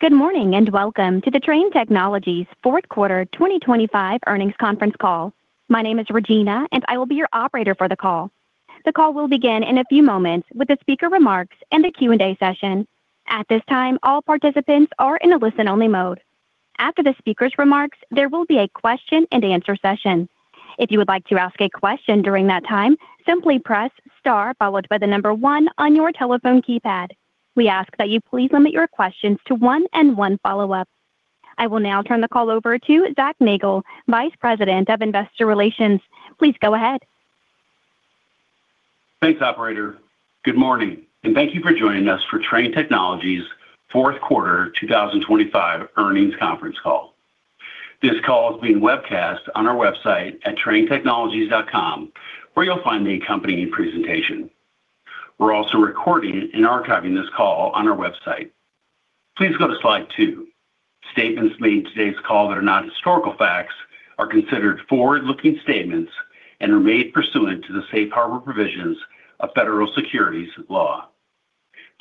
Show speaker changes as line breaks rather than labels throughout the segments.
Good morning, and welcome to the Trane Technologies fourth quarter 2025 earnings conference call. My name is Regina, and I will be your operator for the call. The call will begin in a few moments with the speaker remarks and a Q&A session. At this time, all participants are in a listen-only mode. After the speakers' remarks, there will be a question-and-answer session. If you would like to ask a question during that time, simply press star, followed by the number one on your telephone keypad. We ask that you please limit your questions to one and one follow-up. I will now turn the call over to Zac Nagle, Vice President of Investor Relations. Please go ahead.
Thanks, operator. Good morning, and thank you for joining us for Trane Technologies' fourth quarter 2025 earnings conference call. This call is being webcast on our website at tranetechnologies.com, where you'll find the accompanying presentation. We're also recording and archiving this call on our website. Please go to slide 2. Statements made in today's call that are not historical facts are considered forward-looking statements and are made pursuant to the safe harbor provisions of federal securities law.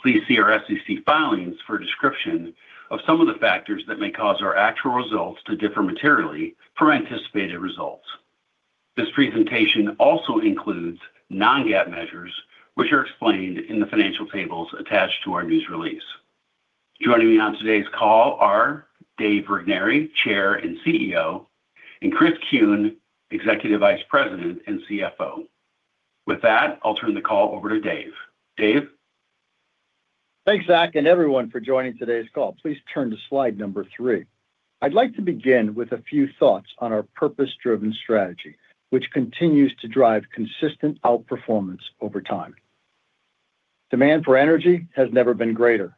Please see our SEC filings for a description of some of the factors that may cause our actual results to differ materially from anticipated results. This presentation also includes non-GAAP measures, which are explained in the financial tables attached to our news release. Joining me on today's call are Dave Regnery, Chair and CEO, and Chris Kuehn, Executive Vice President and CFO. With that, I'll turn the call over to Dave. Dave?
Thanks, Zac, and everyone, for joining today's call. Please turn to slide number three. I'd like to begin with a few thoughts on our purpose-driven strategy, which continues to drive consistent outperformance over time. Demand for energy has never been greater.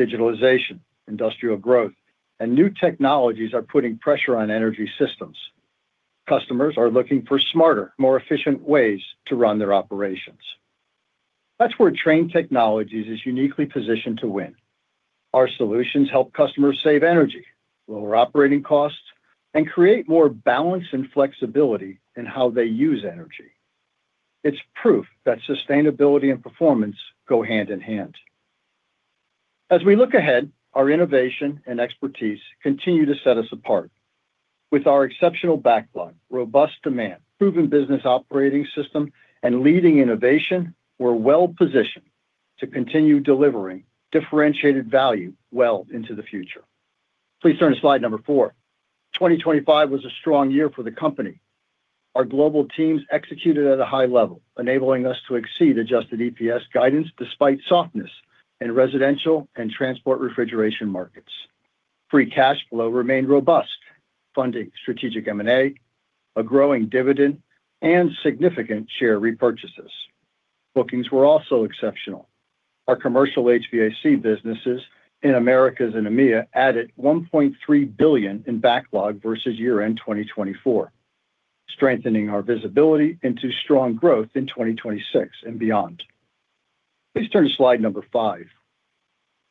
Digitalization, industrial growth, and new technologies are putting pressure on energy systems. Customers are looking for smarter, more efficient ways to run their operations. That's where Trane Technologies is uniquely positioned to win. Our solutions help customers save energy, lower operating costs, and create more balance and flexibility in how they use energy. It's proof that sustainability and performance go hand in hand. As we look ahead, our innovation and expertise continue to set us apart. With our exceptional backlog, robust demand, proven business operating system, and leading innovation, we're well-positioned to continue delivering differentiated value well into the future. Please turn to slide number four. 2025 was a strong year for the company. Our global teams executed at a high level, enabling us to exceed adjusted EPS guidance, despite softness in residential and transport refrigeration markets. Free cash flow remained robust, funding strategic M&A, a growing dividend, and significant share repurchases. Bookings were also exceptional. Our commercial HVAC businesses in Americas and EMEA added $1.3 billion in backlog versus year-end 2024, strengthening our visibility into strong growth in 2026 and beyond. Please turn to slide number 5.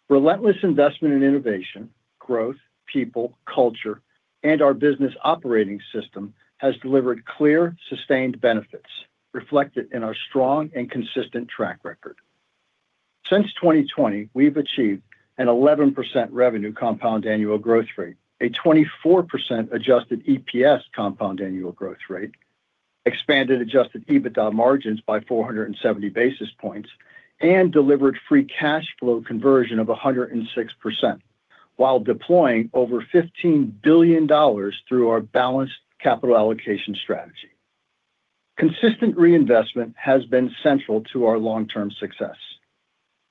Relentless investment in innovation, growth, people, culture, and our Business Operating System has delivered clear, sustained benefits, reflected in our strong and consistent track record. Since 2020, we've achieved an 11% revenue compound annual growth rate, a 24% adjusted EPS compound annual growth rate, expanded Adjusted EBITDA margins by 470 basis points, and delivered free cash flow conversion of 106%, while deploying over $15 billion through our balanced capital allocation strategy. Consistent reinvestment has been central to our long-term success.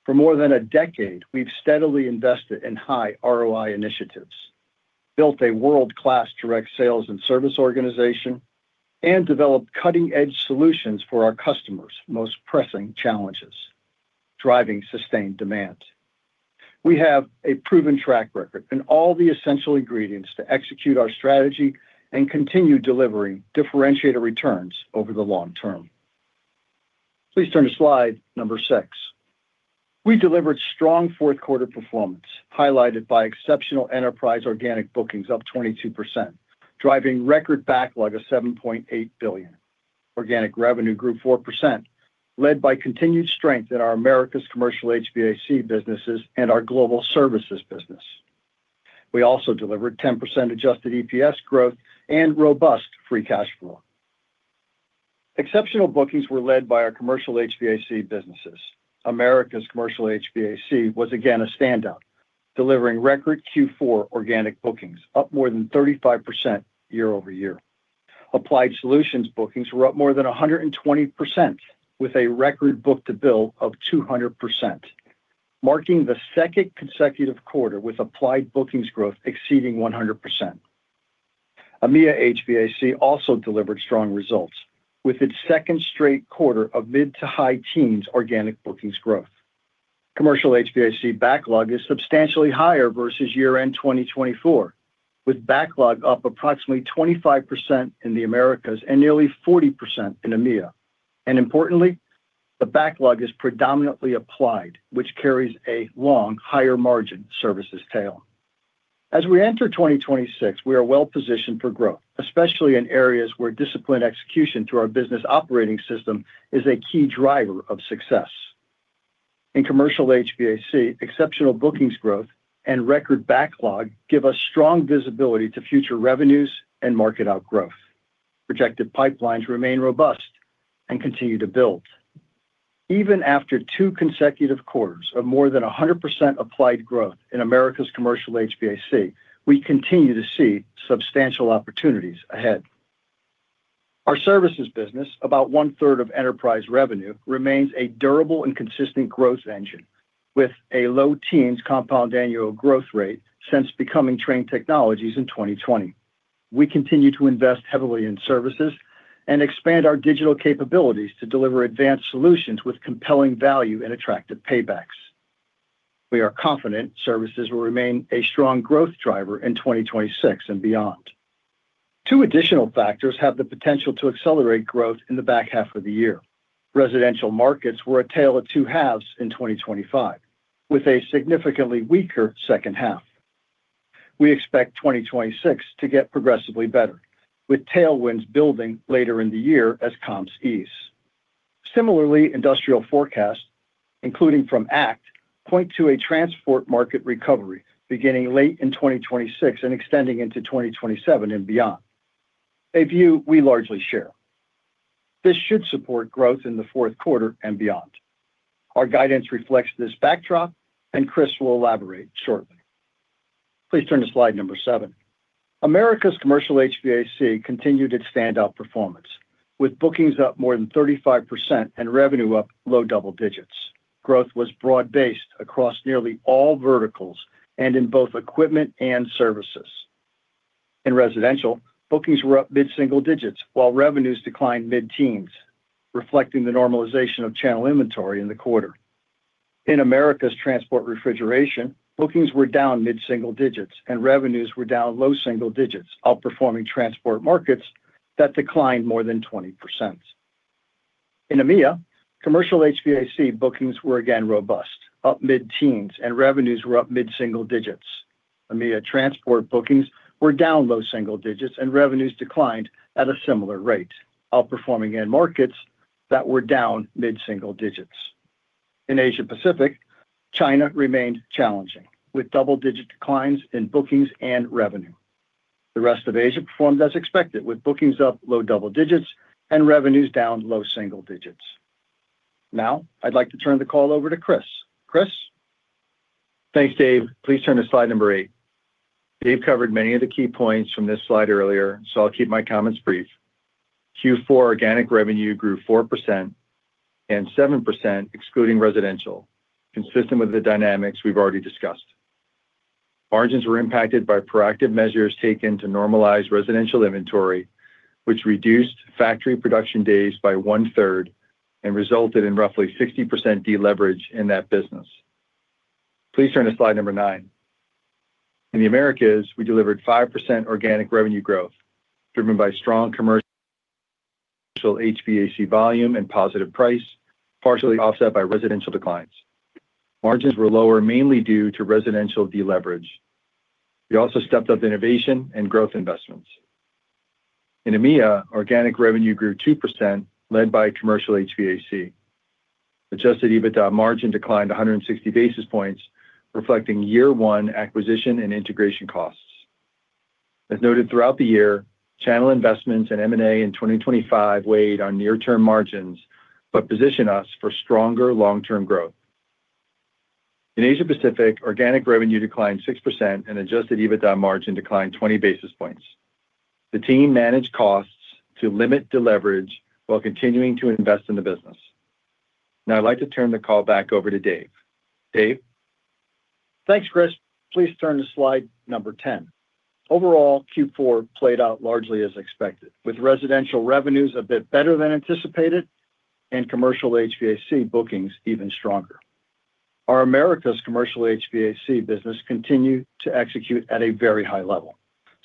For more than a decade, we've steadily invested in high ROI initiatives, built a world-class direct sales and service organization, and developed cutting-edge solutions for our customers' most pressing challenges, driving sustained demand. We have a proven track record and all the essential ingredients to execute our strategy and continue delivering differentiated returns over the long term. Please turn to slide number 6. We delivered strong fourth quarter performance, highlighted by exceptional enterprise organic bookings up 22%, driving record backlog of $7.8 billion. Organic revenue grew 4%, led by continued strength in our Americas Commercial HVAC businesses and our global services business. We also delivered 10% adjusted EPS growth and robust free cash flow. Exceptional bookings were led by our commercial HVAC businesses. Americas Commercial HVAC was again a standout, delivering record Q4 organic bookings, up more than 35% year-over-year. Applied Solutions bookings were up more than 120%, with a record book-to-bill of 200%, marking the second consecutive quarter with Applied bookings growth exceeding 100%. EMEA HVAC also delivered strong results, with its second straight quarter of mid to high teens organic bookings growth. Commercial HVAC backlog is substantially higher versus year-end 2024, with backlog up approximately 25% in the Americas and nearly 40% in EMEA. Importantly, the backlog is predominantly applied, which carries a long, higher margin services tail. As we enter 2026, we are well positioned for growth, especially in areas where disciplined execution through our Business Operating System is a key driver of success. In commercial HVAC, exceptional bookings growth and record backlog give us strong visibility to future revenues and market outgrowth. Projected pipelines remain robust and continue to build. Even after two consecutive quarters of more than 100% applied growth in Americas commercial HVAC, we continue to see substantial opportunities ahead. Our services business, about one-third of enterprise revenue, remains a durable and consistent growth engine, with a low teens compound annual growth rate since becoming Trane Technologies in 2020. We continue to invest heavily in services and expand our digital capabilities to deliver advanced solutions with compelling value and attractive paybacks. We are confident services will remain a strong growth driver in 2026 and beyond. Two additional factors have the potential to accelerate growth in the back half of the year. Residential markets were a tale of two halves in 2025, with a significantly weaker second half. We expect 2026 to get progressively better, with tailwinds building later in the year as comps ease. Similarly, industrial forecasts, including from ACT, point to a transport market recovery beginning late in 2026 and extending into 2027 and beyond, a view we largely share. This should support growth in the fourth quarter and beyond. Our guidance reflects this backdrop, and Chris will elaborate shortly. Please turn to slide number 7. Americas Commercial HVAC continued its standout performance, with bookings up more than 35% and revenue up low double digits. Growth was broad-based across nearly all verticals and in both equipment and services. In residential, bookings were up mid-single digits, while revenues declined mid-teens, reflecting the normalization of channel inventory in the quarter. In Americas Transport Refrigeration, bookings were down mid-single digits, and revenues were down low single digits, outperforming transport markets that declined more than 20%. In EMEA, Commercial HVAC bookings were again robust, up mid-teens, and revenues were up mid-single digits. EMEA transport bookings were down low single digits, and revenues declined at a similar rate, outperforming end markets that were down mid-single digits. In Asia Pacific, China remained challenging, with double-digit declines in bookings and revenue. The rest of Asia performed as expected, with bookings up low double digits and revenues down low single digits. Now, I'd like to turn the call over to Chris. Chris?
Thanks, Dave. Please turn to slide number 8. Dave covered many of the key points from this slide earlier, so I'll keep my comments brief. Q4 organic revenue grew 4% and 7%, excluding residential, consistent with the dynamics we've already discussed. Margins were impacted by proactive measures taken to normalize residential inventory, which reduced factory production days by 1/3 and resulted in roughly 60% deleverage in that business. Please turn to slide number 9. In the Americas, we delivered 5% organic revenue growth, driven by strong commercial HVAC volume and positive price, partially offset by residential declines. Margins were lower, mainly due to residential deleverage. We also stepped up innovation and growth investments. In EMEA, organic revenue grew 2%, led by commercial HVAC. Adjusted EBITDA margin declined 160 basis points, reflecting year one acquisition and integration costs. As noted throughout the year, channel investments and M&A in 2025 weighed on near-term margins but position us for stronger long-term growth. In Asia Pacific, organic revenue declined 6%, and Adjusted EBITDA margin declined 20 basis points. The team managed costs to limit deleverage while continuing to invest in the business. Now I'd like to turn the call back over to Dave. Dave?
Thanks, Chris. Please turn to slide number 10. Overall, Q4 played out largely as expected, with residential revenues a bit better than anticipated and Commercial HVAC bookings even stronger. Our Americas Commercial HVAC business continued to execute at a very high level,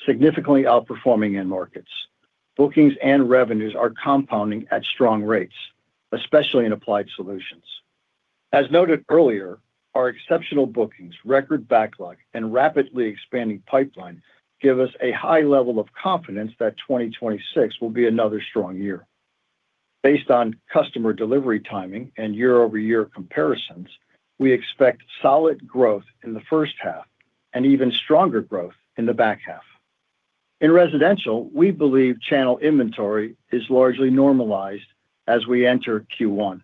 significantly outperforming end markets. Bookings and revenues are compounding at strong rates, especially in Applied Solutions. As noted earlier, our exceptional bookings, record backlog, and rapidly expanding pipeline give us a high level of confidence that 2026 will be another strong year. Based on customer delivery timing and year-over-year comparisons, we expect solid growth in the first half and even stronger growth in the back half. In residential, we believe channel inventory is largely normalized as we enter Q1.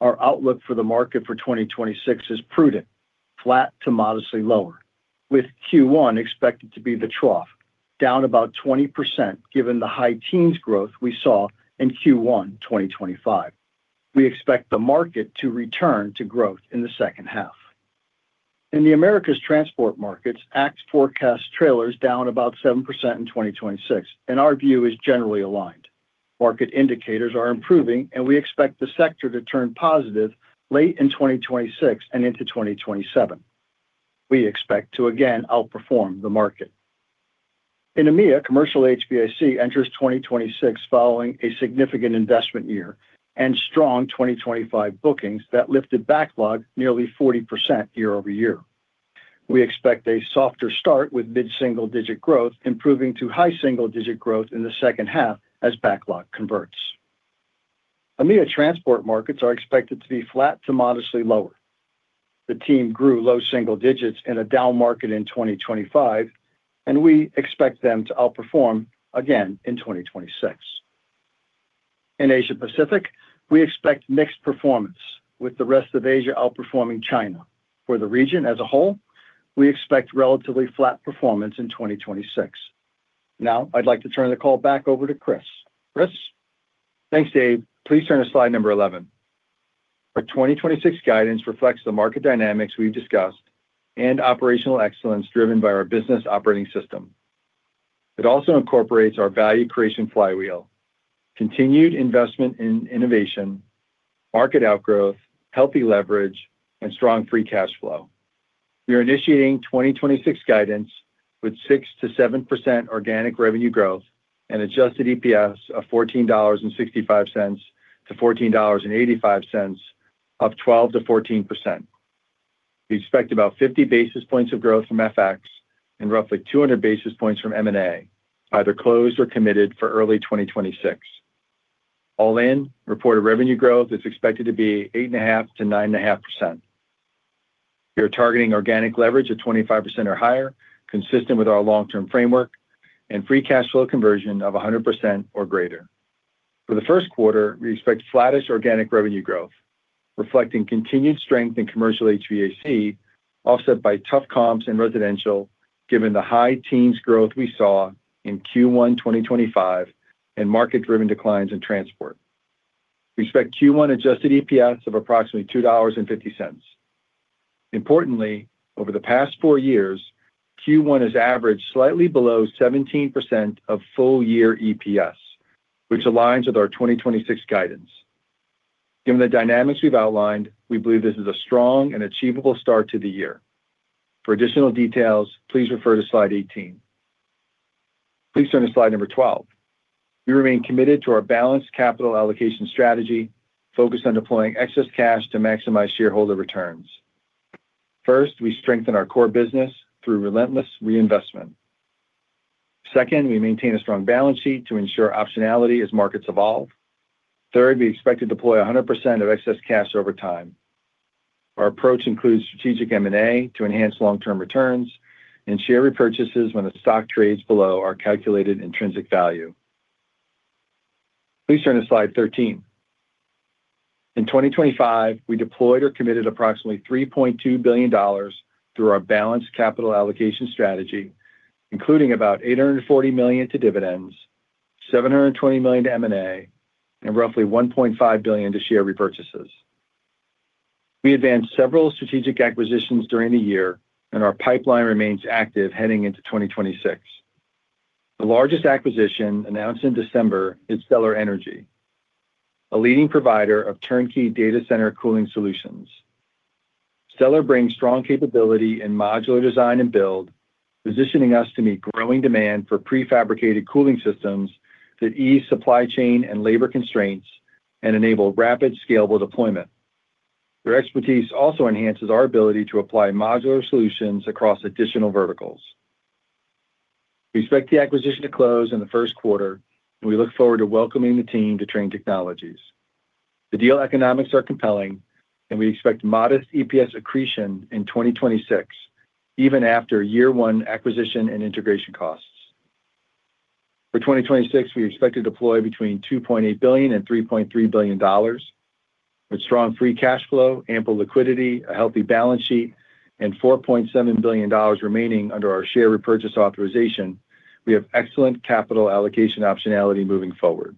Our outlook for the market for 2026 is prudent, flat to modestly lower, with Q1 expected to be the trough, down about 20%, given the high teens growth we saw in Q1 2025. We expect the market to return to growth in the second half. In the Americas transport markets, ACT forecast trailers down about 7% in 2026, and our view is generally aligned. Market indicators are improving, and we expect the sector to turn positive late in 2026 and into 2027. We expect to again outperform the market. In EMEA, commercial HVAC enters 2026 following a significant investment year and strong 2025 bookings that lifted backlog nearly 40% year-over-year. We expect a softer start with mid-single-digit growth, improving to high single-digit growth in the second half as backlog converts. EMEA transport markets are expected to be flat to modestly lower. The team grew low single digits in a down market in 2025, and we expect them to outperform again in 2026. In Asia Pacific, we expect mixed performance, with the rest of Asia outperforming China. For the region as a whole, we expect relatively flat performance in 2026. Now, I'd like to turn the call back over to Chris. Chris?
Thanks, Dave. Please turn to slide number 11. Our 2026 guidance reflects the market dynamics we've discussed and operational excellence driven by our Business Operating System. It also incorporates our value creation flywheel, continued investment in innovation, market outgrowth, healthy leverage, and strong free cash flow. We are initiating 2026 guidance with 6%-7% organic revenue growth and Adjusted EPS of $14.65-$14.85, up 12%-14%. We expect about 50 basis points of growth from FX and roughly 200 basis points from M&A, either closed or committed for early 2026. All in, reported revenue growth is expected to be 8.5%-9.5%. We are targeting organic leverage of 25% or higher, consistent with our long-term framework, and free cash flow conversion of 100% or greater. For the first quarter, we expect flattish organic revenue growth, reflecting continued strength in commercial HVAC, offset by tough comps in residential, given the high teens growth we saw in Q1 2025 and market-driven declines in transport. We expect Q1 adjusted EPS of approximately $2.50. Importantly, over the past four years, Q1 has averaged slightly below 17% of full-year EPS, which aligns with our 2026 guidance. Given the dynamics we've outlined, we believe this is a strong and achievable start to the year. For additional details, please refer to slide 18. Please turn to slide number 12. We remain committed to our balanced capital allocation strategy, focused on deploying excess cash to maximize shareholder returns. First, we strengthen our core business through relentless reinvestment. Second, we maintain a strong balance sheet to ensure optionality as markets evolve. Third, we expect to deploy 100% of excess cash over time. Our approach includes strategic M&A to enhance long-term returns and share repurchases when the stock trades below our calculated intrinsic value. Please turn to slide 13. In 2025, we deployed or committed approximately $3.2 billion through our balanced capital allocation strategy, including about $840 million to dividends, $720 million to M&A, and roughly $1.5 billion to share repurchases. We advanced several strategic acquisitions during the year, and our pipeline remains active heading into 2026. The largest acquisition, announced in December, is Stellar Energy, a leading provider of turnkey data center cooling solutions. Stellar Energy brings strong capability in modular design and build, positioning us to meet growing demand for prefabricated cooling systems that ease supply chain and labor constraints and enable rapid, scalable deployment. Their expertise also enhances our ability to apply modular solutions across additional verticals. We expect the acquisition to close in the first quarter, and we look forward to welcoming the team to Trane Technologies. The deal economics are compelling, and we expect modest EPS accretion in 2026, even after year-one acquisition and integration costs. For 2026, we expect to deploy between $2.8 billion and $3.3 billion. With strong free cash flow, ample liquidity, a healthy balance sheet, and $4.7 billion remaining under our share repurchase authorization, we have excellent capital allocation optionality moving forward.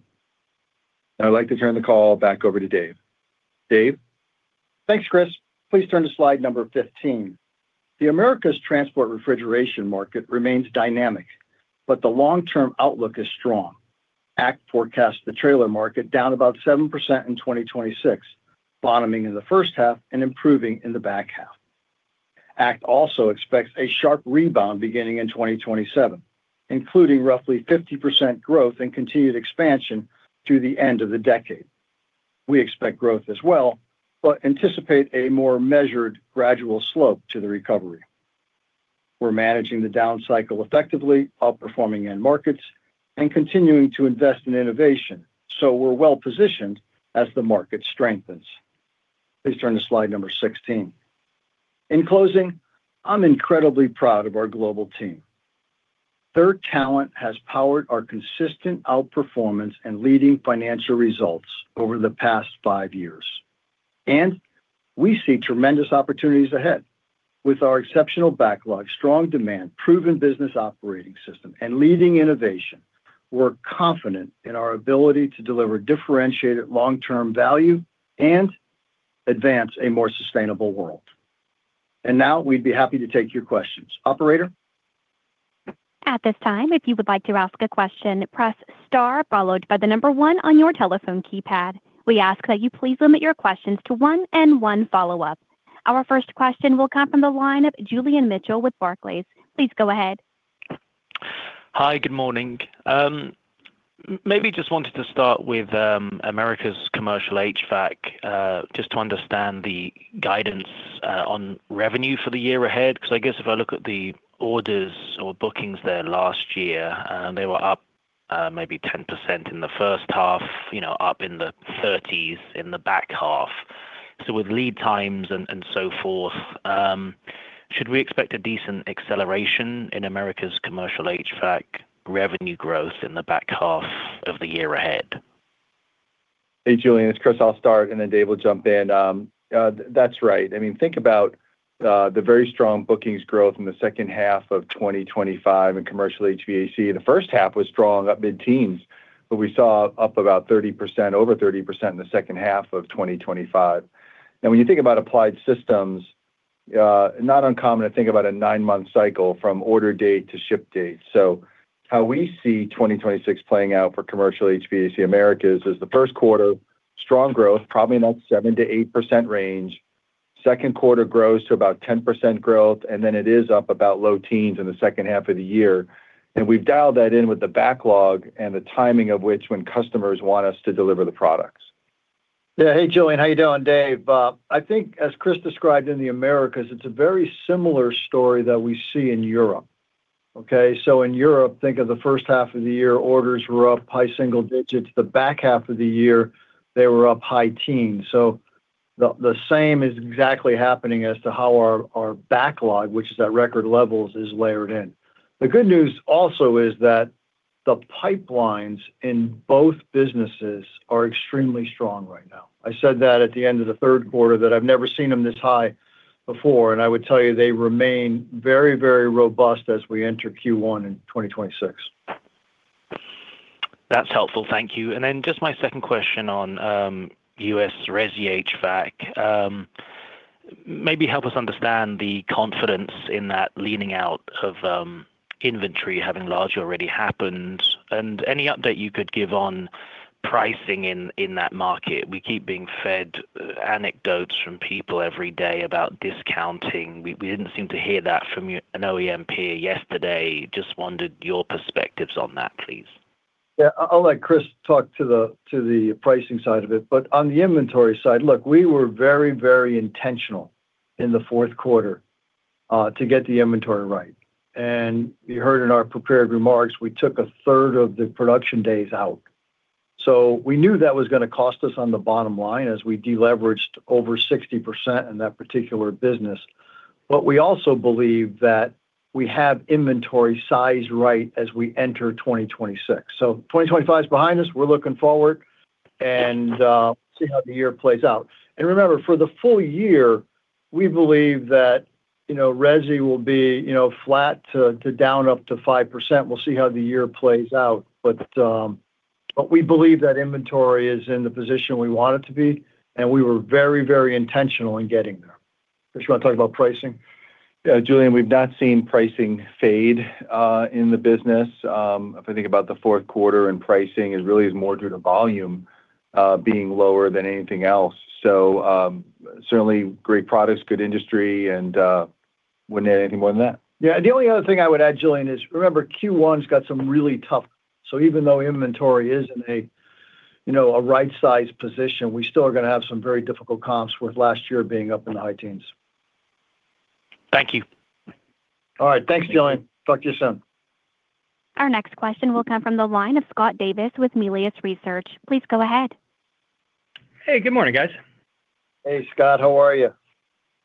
Now I'd like to turn the call back over to Dave. Dave?
Thanks, Chris. Please turn to slide number 15. The Americas transport refrigeration market remains dynamic, but the long-term outlook is strong. ACT forecasts the trailer market down about 7% in 2026, bottoming in the first half and improving in the back half. ACT also expects a sharp rebound beginning in 2027, including roughly 50% growth and continued expansion through the end of the decade. We expect growth as well, but anticipate a more measured, gradual slope to the recovery. We're managing the down cycle effectively, outperforming end markets, and continuing to invest in innovation, so we're well positioned as the market strengthens. Please turn to slide number 16. In closing, I'm incredibly proud of our global team. Our talent has powered our consistent outperformance and leading financial results over the past 5 years, and we see tremendous opportunities ahead. With our exceptional backlog, strong demand, proven business operating system, and leading innovation, we're confident in our ability to deliver differentiated long-term value and advance a more sustainable world. And now, we'd be happy to take your questions. Operator?
At this time, if you would like to ask a question, press star, followed by the number one on your telephone keypad. We ask that you please limit your questions to one and one follow-up. Our first question will come from the line of Julian Mitchell with Barclays. Please go ahead.
Hi, good morning. Maybe just wanted to start with Americas Commercial HVAC, just to understand the guidance on revenue for the year ahead. 'Cause I guess if I look at the orders or bookings there last year, they were up maybe 10% in the first half, you know, up in the 30s in the back half. So with lead times and so forth, should we expect a decent acceleration in Americas Commercial HVAC revenue growth in the back half of the year ahead?
Hey, Julian, it's Chris. I'll start, and then Dave will jump in. That's right. I mean, think about the very strong bookings growth in the second half of 2025 in Commercial HVAC. The first half was strong, up mid-teens, but we saw up about 30%, over 30% in the second half of 2025. Now, when you think about Applied Solutions, not uncommon to think about a 9-month cycle from order date to ship date. So how we see 2026 playing out for Commercial HVAC Americas, is the first quarter, strong growth, probably in that 7%-8% range. Second quarter grows to about 10% growth, and then it is up about low teens in the second half of the year. We've dialed that in with the backlog and the timing of which when customers want us to deliver the products.
Yeah. Hey, Julian, how you doing? Dave. I think as Chris described in the Americas, it's a very similar story that we see in Europe, okay? So in Europe, think of the first half of the year, orders were up high single digits. The back half of the year, they were up high teens. So the same is exactly happening as to how our backlog, which is at record levels, is layered in. The good news also is that the pipelines in both businesses are extremely strong right now. I said that at the end of the third quarter, that I've never seen them this high before, and I would tell you they remain very, very robust as we enter Q1 in 2026.
That's helpful. Thank you. And then just my second question on U.S. Resi HVAC. Maybe help us understand the confidence in that leaning out of inventory having largely already happened, and any update you could give on pricing in that market. We keep being fed anecdotes from people every day about discounting. We didn't seem to hear that from you, an OEM peer yesterday. Just wondered your perspectives on that, please.
Yeah, I'll, I'll let Chris talk to the, to the pricing side of it. But on the inventory side, look, we were very, very intentional in the fourth quarter to get the inventory right. And you heard in our prepared remarks, we took a third of the production days out. So we knew that was gonna cost us on the bottom line as we deleveraged over 60% in that particular business. But we also believe that we have inventory size right as we enter 2026. So 2025 is behind us, we're looking forward and see how the year plays out. And remember, for the full year, we believe that, you know, Resi will be, you know, flat to down up to 5%. We'll see how the year plays out. But we believe that inventory is in the position we want it to be, and we were very, very intentional in getting there. Chris, you want to talk about pricing?
Yeah, Julian, we've not seen pricing fade in the business. If I think about the fourth quarter, and pricing, it really is more due to volume being lower than anything else. So, certainly great products, good industry, and wouldn't add anything more than that.
Yeah, the only other thing I would add, Julian, is remember, Q1's got some really tough. So even though inventory is in a, you know, a right-sized position, we still are gonna have some very difficult comps with last year being up in the high teens.
Thank you.
All right. Thanks, Julian. Talk to you soon.
Our next question will come from the line of Scott Davis with Melius Research. Please go ahead.
Hey, good morning, guys.
Hey, Scott, how are you?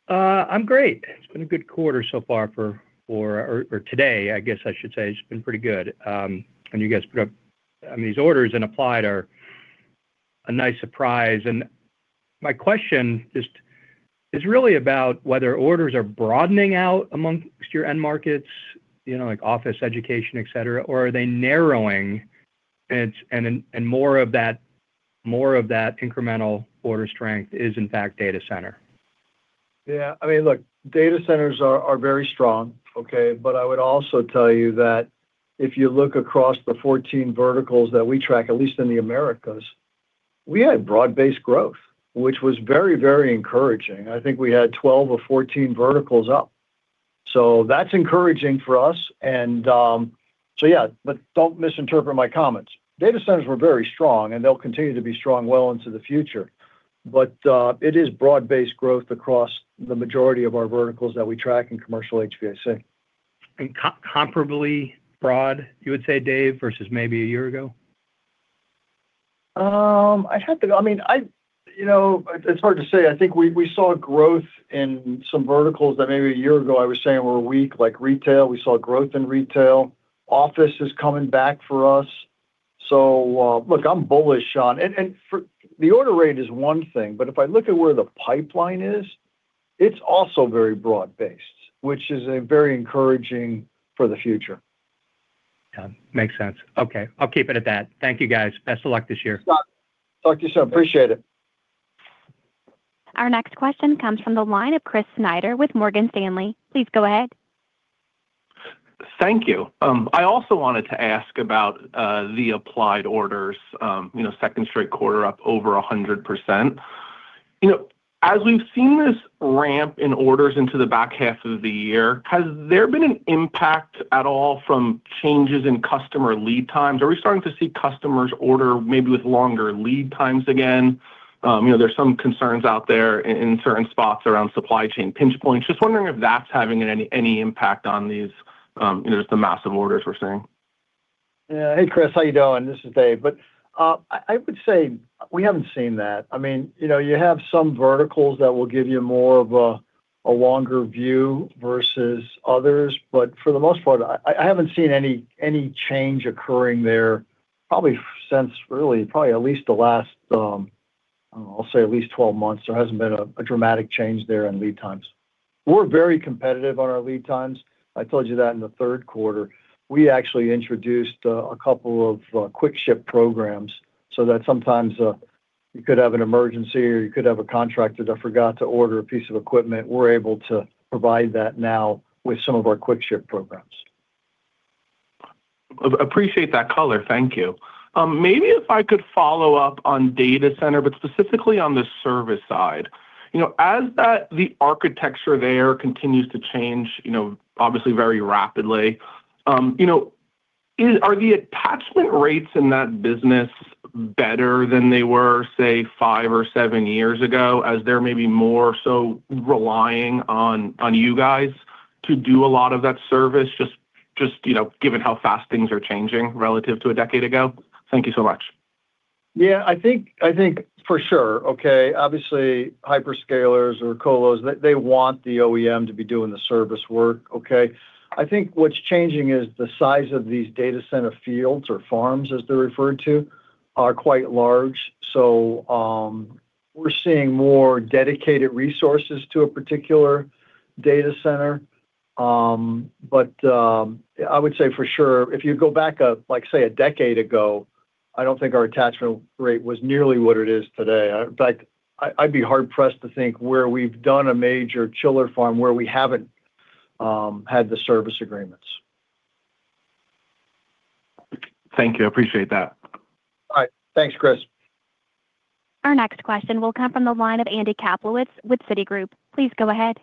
I'm great. It's been a good quarter so far. Or today, I guess I should say, it's been pretty good. And you guys put up, I mean, these orders in Applied are a nice surprise. And my question just is really about whether orders are broadening out amongst your end markets, you know, like office, education, et cetera, or are they narrowing, and more of that incremental order strength is, in fact, data center?
Yeah. I mean, look, data centers are, are very strong, okay? But I would also tell you that if you look across the 14 verticals that we track, at least in the Americas, we had broad-based growth, which was very, very encouraging. I think we had 12 or 14 verticals up. So that's encouraging for us. And, so yeah, but don't misinterpret my comments. Data centers were very strong, and they'll continue to be strong well into the future, but, it is broad-based growth across the majority of our verticals that we track in commercial HVAC.
Comparably broad, you would say, Dave, versus maybe a year ago?
I'd have to. I mean, I, you know, it, it's hard to say. I think we, we saw growth in some verticals that maybe a year ago I was saying were weak, like retail. We saw growth in retail. Office is coming back for us. So, look, I'm bullish on, and for the order rate is one thing, but if I look at where the pipeline is, it's also very broad-based, which is a very encouraging for the future.
Yeah. Makes sense. Okay, I'll keep it at that. Thank you, guys. Best of luck this year.
Talk to you soon. Appreciate it.
Our next question comes from the line of Chris Snyder with Morgan Stanley. Please go ahead.
Thank you. I also wanted to ask about, the applied orders, you know, second straight quarter up over 100%. You know, as we've seen this ramp in orders into the back half of the year, has there been an impact at all from changes in customer lead times? Are we starting to see customers order maybe with longer lead times again? You know, there's some concerns out there in certain spots around supply chain pinch points. Just wondering if that's having any, any impact on these, you know, just the massive orders we're seeing.
Yeah. Hey, Chris, how you doing? This is Dave. But, I would say we haven't seen that. I mean, you know, you have some verticals that will give you more of a longer view versus others, but for the most part, I haven't seen any change occurring there, probably since really, probably at least the last, I'll say at least 12 months, there hasn't been a dramatic change there in lead times. We're very competitive on our lead times. I told you that in the third quarter, we actually introduced a couple of quick ship programs so that sometimes you could have an emergency or you could have a contractor that forgot to order a piece of equipment. We're able to provide that now with some of our quick ship programs.
Appreciate that color. Thank you. Maybe if I could follow up on data center, but specifically on the service side. You know, as that, the architecture there continues to change, you know, obviously very rapidly, you know, are the attachment rates in that business better than they were, say, five or seven years ago, as they're maybe more so relying on you guys to do a lot of that service, just you know, given how fast things are changing relative to a decade ago? Thank you so much.
Yeah, I think, I think for sure. Okay, obviously, hyperscalers or colos, they, they want the OEM to be doing the service work, okay? I think what's changing is the size of these data center fields or farms, as they're referred to, are quite large. So, we're seeing more dedicated resources to a particular data center. But, I would say for sure, if you go back up, like, say, a decade ago, I don't think our attachment rate was nearly what it is today. In fact, I, I'd be hard-pressed to think where we've done a major chiller farm where we haven't had the service agreements.
Thank you. I appreciate that.
All right. Thanks, Chris.
Our next question will come from the line of Andy Kaplowitz with Citigroup. Please go ahead.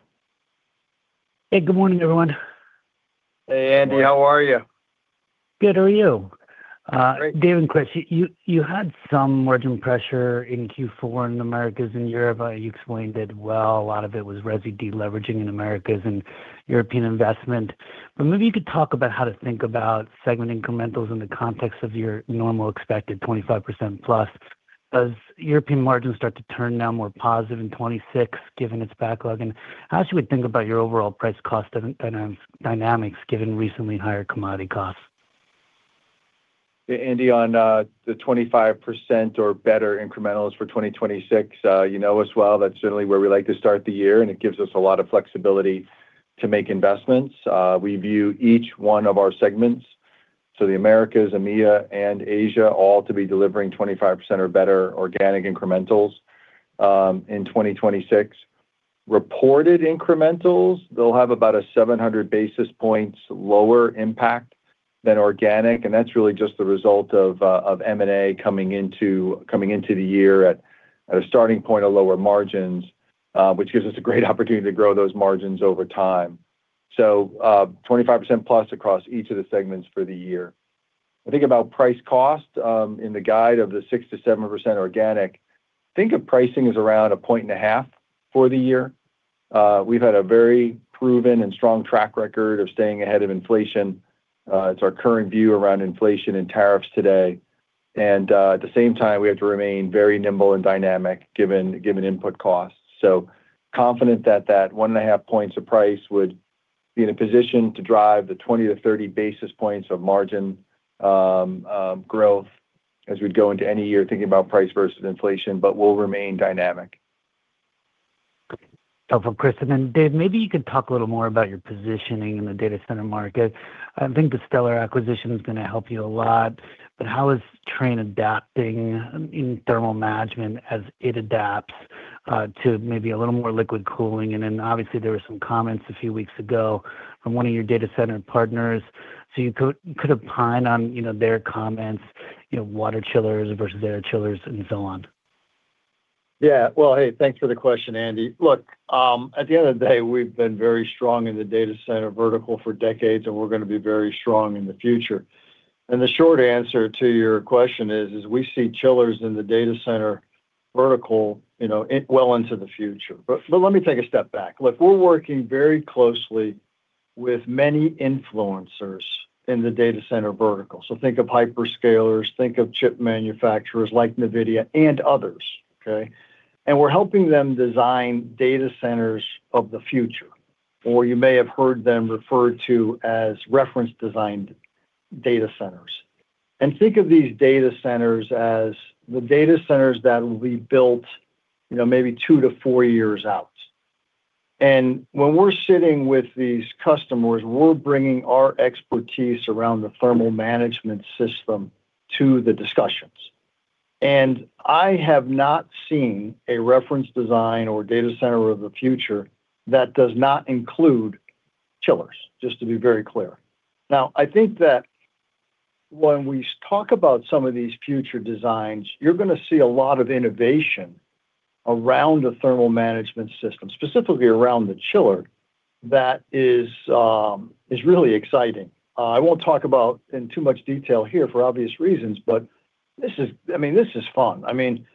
Hey, good morning, everyone.
Hey, Andy, how are you?
Good. How are you?
Great.
Dave and Chris, you had some margin pressure in Q4 in Americas and Europe. You explained it well. A lot of it was resi deleveraging in Americas and European investment. But maybe you could talk about how to think about segment incrementals in the context of your normal expected 25%+. Does European margins start to turn now more positive in 2026, given its backlog? And how should we think about your overall price cost dynamics, given recently higher commodity costs?
Andy, on the 25% or better incrementals for 2026, you know as well, that's generally where we like to start the year, and it gives us a lot of flexibility to make investments. We view each one of our segments, so the Americas, EMEA, and Asia, all to be delivering 25% or better organic incrementals in 2026. Reported incrementals, they'll have about a 700 basis points lower impact than organic, and that's really just the result of, of M&A coming into, coming into the year at, at a starting point of lower margins, which gives us a great opportunity to grow those margins over time. So, 25%+ across each of the segments for the year. I think about price cost in the guide of the 6%-7% organic, think of pricing as around 1.5 for the year. We've had a very proven and strong track record of staying ahead of inflation. It's our current view around inflation and tariffs today, and at the same time, we have to remain very nimble and dynamic, given input costs. So confident that 1.5 points of price would be in a position to drive the 20-30 basis points of margin growth as we'd go into any year thinking about price versus inflation, but we'll remain dynamic.
helpful, Chris. And then, Dave, maybe you could talk a little more about your positioning in the data center market. I think the Stellar acquisition is going to help you a lot, but how is Trane adapting in thermal management as it adapts to maybe a little more liquid cooling? And then, obviously, there were some comments a few weeks ago from one of your data center partners, so you could opine on, you know, their comments, you know, water chillers versus air chillers and so on.
Yeah. Well, hey, thanks for the question, Andy. Look, at the end of the day, we've been very strong in the data center vertical for decades, and we're going to be very strong in the future. And the short answer to your question is we see chillers in the data center vertical, you know, well into the future. But let me take a step back. Look, we're working very closely with many influencers in the data center vertical. So think of hyperscalers, think of chip manufacturers like NVIDIA and others, okay? And we're helping them design data centers of the future, or you may have heard them referred to as reference design data centers. And think of these data centers as the data centers that will be built, you know, maybe 2-4 years out. When we're sitting with these customers, we're bringing our expertise around the thermal management system to the discussions. And I have not seen a reference design or data center of the future that does not include chillers, just to be very clear. Now, I think that when we talk about some of these future designs, you're going to see a lot of innovation around the thermal management system, specifically around the chiller. That is really exciting. I won't talk about in too much detail here for obvious reasons, but this is, I mean, this is fun. I mean,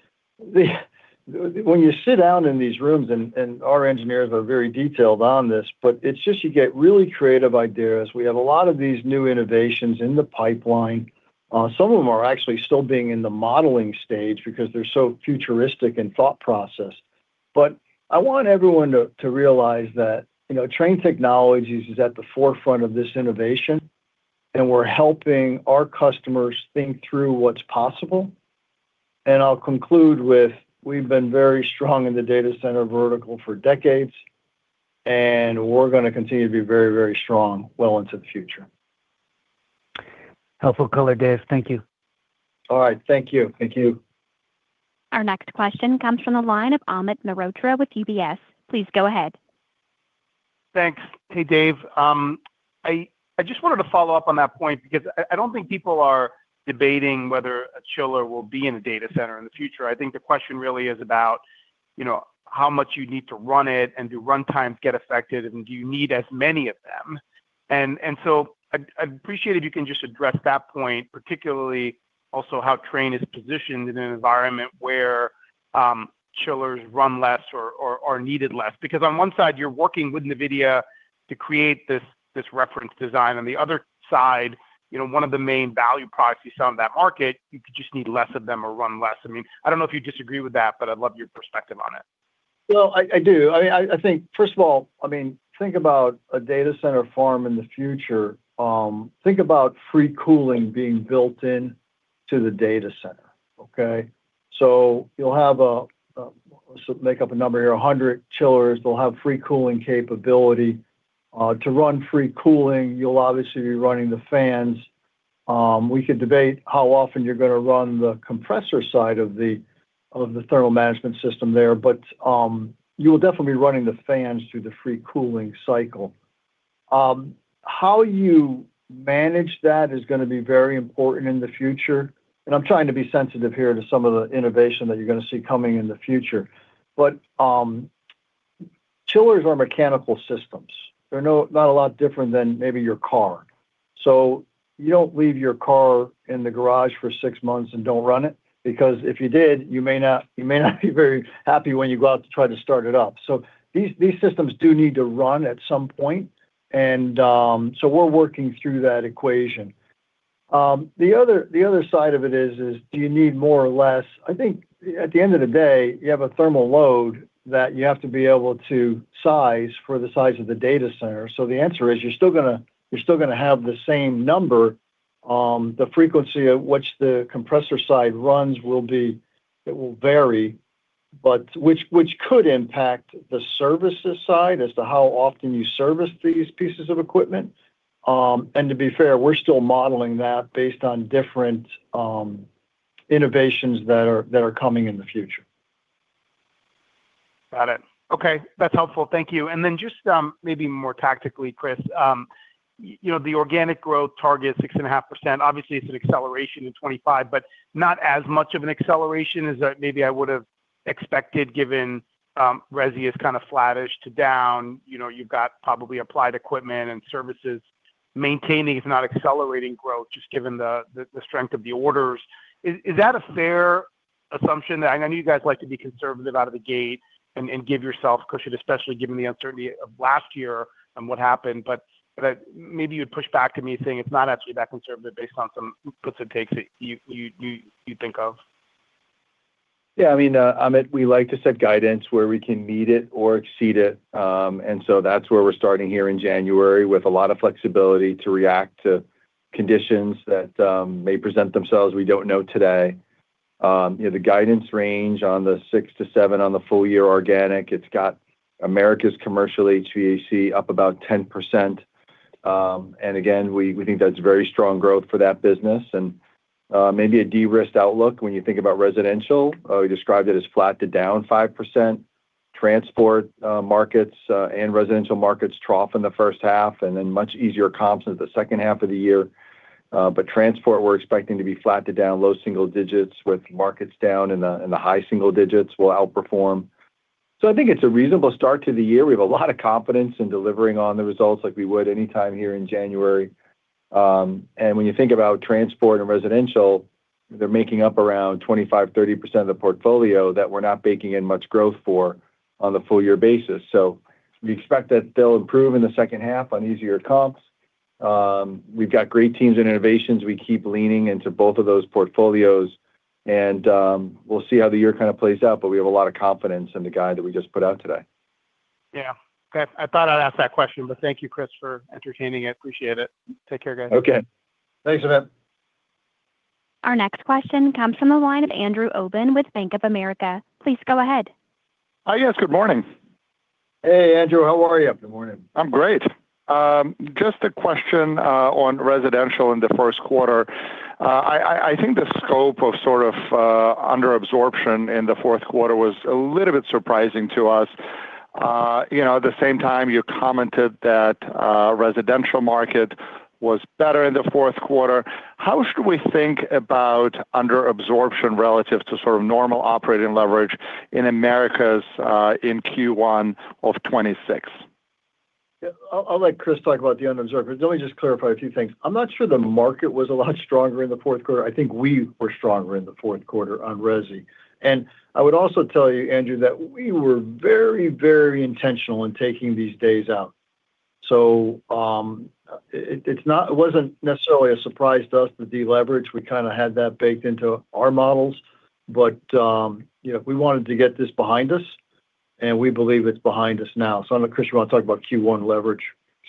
when you sit down in these rooms, and our engineers are very detailed on this, but it's just you get really creative ideas. We have a lot of these new innovations in the pipeline. Some of them are actually still being in the modeling stage because they're so futuristic in thought process. But I want everyone to realize that, you know, Trane Technologies is at the forefront of this innovation, and we're helping our customers think through what's possible. I'll conclude with, we've been very strong in the data center vertical for decades, and we're gonna continue to be very, very strong well into the future.
Helpful color, Dave. Thank you.
All right. Thank you. Thank you.
Our next question comes from the line of Amit Mehrotra with UBS. Please go ahead.
Thanks. Hey, Dave. I just wanted to follow up on that point because I don't think people are debating whether a chiller will be in a data center in the future. I think the question really is about, you know, how much you need to run it, and do runtimes get affected, and do you need as many of them? And so I'd appreciate if you can just address that point, particularly also how Trane is positioned in an environment where chillers run less or are needed less. Because on one side, you're working with NVIDIA to create this reference design, on the other side, you know, one of the main value props you sell in that market, you could just need less of them or run less. I mean, I don't know if you disagree with that, but I'd love your perspective on it.
Well, I do. I think, first of all, I mean, think about a data center farm in the future. Think about free cooling being built in to the data center, okay? So you'll have a. So make up a number here, 100 chillers, they'll have free cooling capability. To run free cooling, you'll obviously be running the fans. We could debate how often you're going to run the compressor side of the, of the thermal management system there, but, you will definitely be running the fans through the free cooling cycle. How you manage that is gonna be very important in the future, and I'm trying to be sensitive here to some of the innovation that you're gonna see coming in the future. But, chillers are mechanical systems. They're not a lot different than maybe your car. So you don't leave your car in the garage for six months and don't run it, because if you did, you may not be very happy when you go out to try to start it up. So these systems do need to run at some point, and so we're working through that equation. The other side of it is, do you need more or less? I think at the end of the day, you have a thermal load that you have to be able to size for the size of the data center. So the answer is, you're still gonna have the same number. The frequency at which the compressor side runs will be. It will vary, but which could impact the services side as to how often you service these pieces of equipment. To be fair, we're still modeling that based on different innovations that are coming in the future.
Got it. Okay, that's helpful. Thank you. And then just, maybe more tactically, Chris, you know, the organic growth target, 6.5%. Obviously, it's an acceleration in 25, but not as much of an acceleration as that maybe I would have expected, given, resi is kind of flattish to down. You know, you've got probably applied equipment and services, maintaining, if not accelerating growth, just given the strength of the orders. Is that a fair assumption? That I know you guys like to be conservative out of the gate and give yourself cushion, especially given the uncertainty of last year and what happened, but maybe you'd push back to me saying it's not actually that conservative based on some gives and takes that you think of.
Yeah, I mean, Amit, we like to set guidance where we can meet it or exceed it. And so that's where we're starting here in January, with a lot of flexibility to react to conditions that may present themselves, we don't know today. You know, the guidance range on the 6-7 on the full year organic, it's got Americas Commercial HVAC up about 10%. And again, we think that's very strong growth for that business and maybe a de-risked outlook when you think about residential. We described it as flat to down 5%. Transport markets and residential markets trough in the first half, and then much easier comps in the second half of the year. But transport, we're expecting to be flat to down, low single digits, with markets down in the high single digits will outperform. So I think it's a reasonable start to the year. We have a lot of confidence in delivering on the results like we would anytime here in January. And when you think about transport and residential, they're making up around 25%, 30% of the portfolio that we're not baking in much growth for on the full year basis. So we expect that they'll improve in the second half on easier comps. We've got great teams and innovations. We keep leaning into both of those portfolios, and we'll see how the year kind of plays out, but we have a lot of confidence in the guide that we just put out today.
Yeah. I thought I'd ask that question, but thank you, Chris, for entertaining it. I appreciate it. Take care, guys.
Okay.
Thanks, Amit.
Our next question comes from the line of Andrew Obin with Bank of America. Please go ahead.
Hi, yes, good morning.
Hey, Andrew, how are you?
Good morning.
I'm great. Just a question on residential in the first quarter. I think the scope of sort of under absorption in the fourth quarter was a little bit surprising to us. You know, at the same time, you commented that residential market was better in the fourth quarter. How should we think about under absorption relative to sort of normal operating leverage in Americas in Q1 of 2026?
Yeah. I'll let Chris talk about the unobserved, but let me just clarify a few things. I'm not sure the market was a lot stronger in the fourth quarter. I think we were stronger in the fourth quarter on resi. And I would also tell you, Andrew, that we were very, very intentional in taking these days out. So, it wasn't necessarily a surprise to us, the deleverage. We kinda had that baked into our models. But, you know, we wanted to get this behind us, and we believe it's behind us now. So I don't know, Chris, you want to talk about Q1 leverage?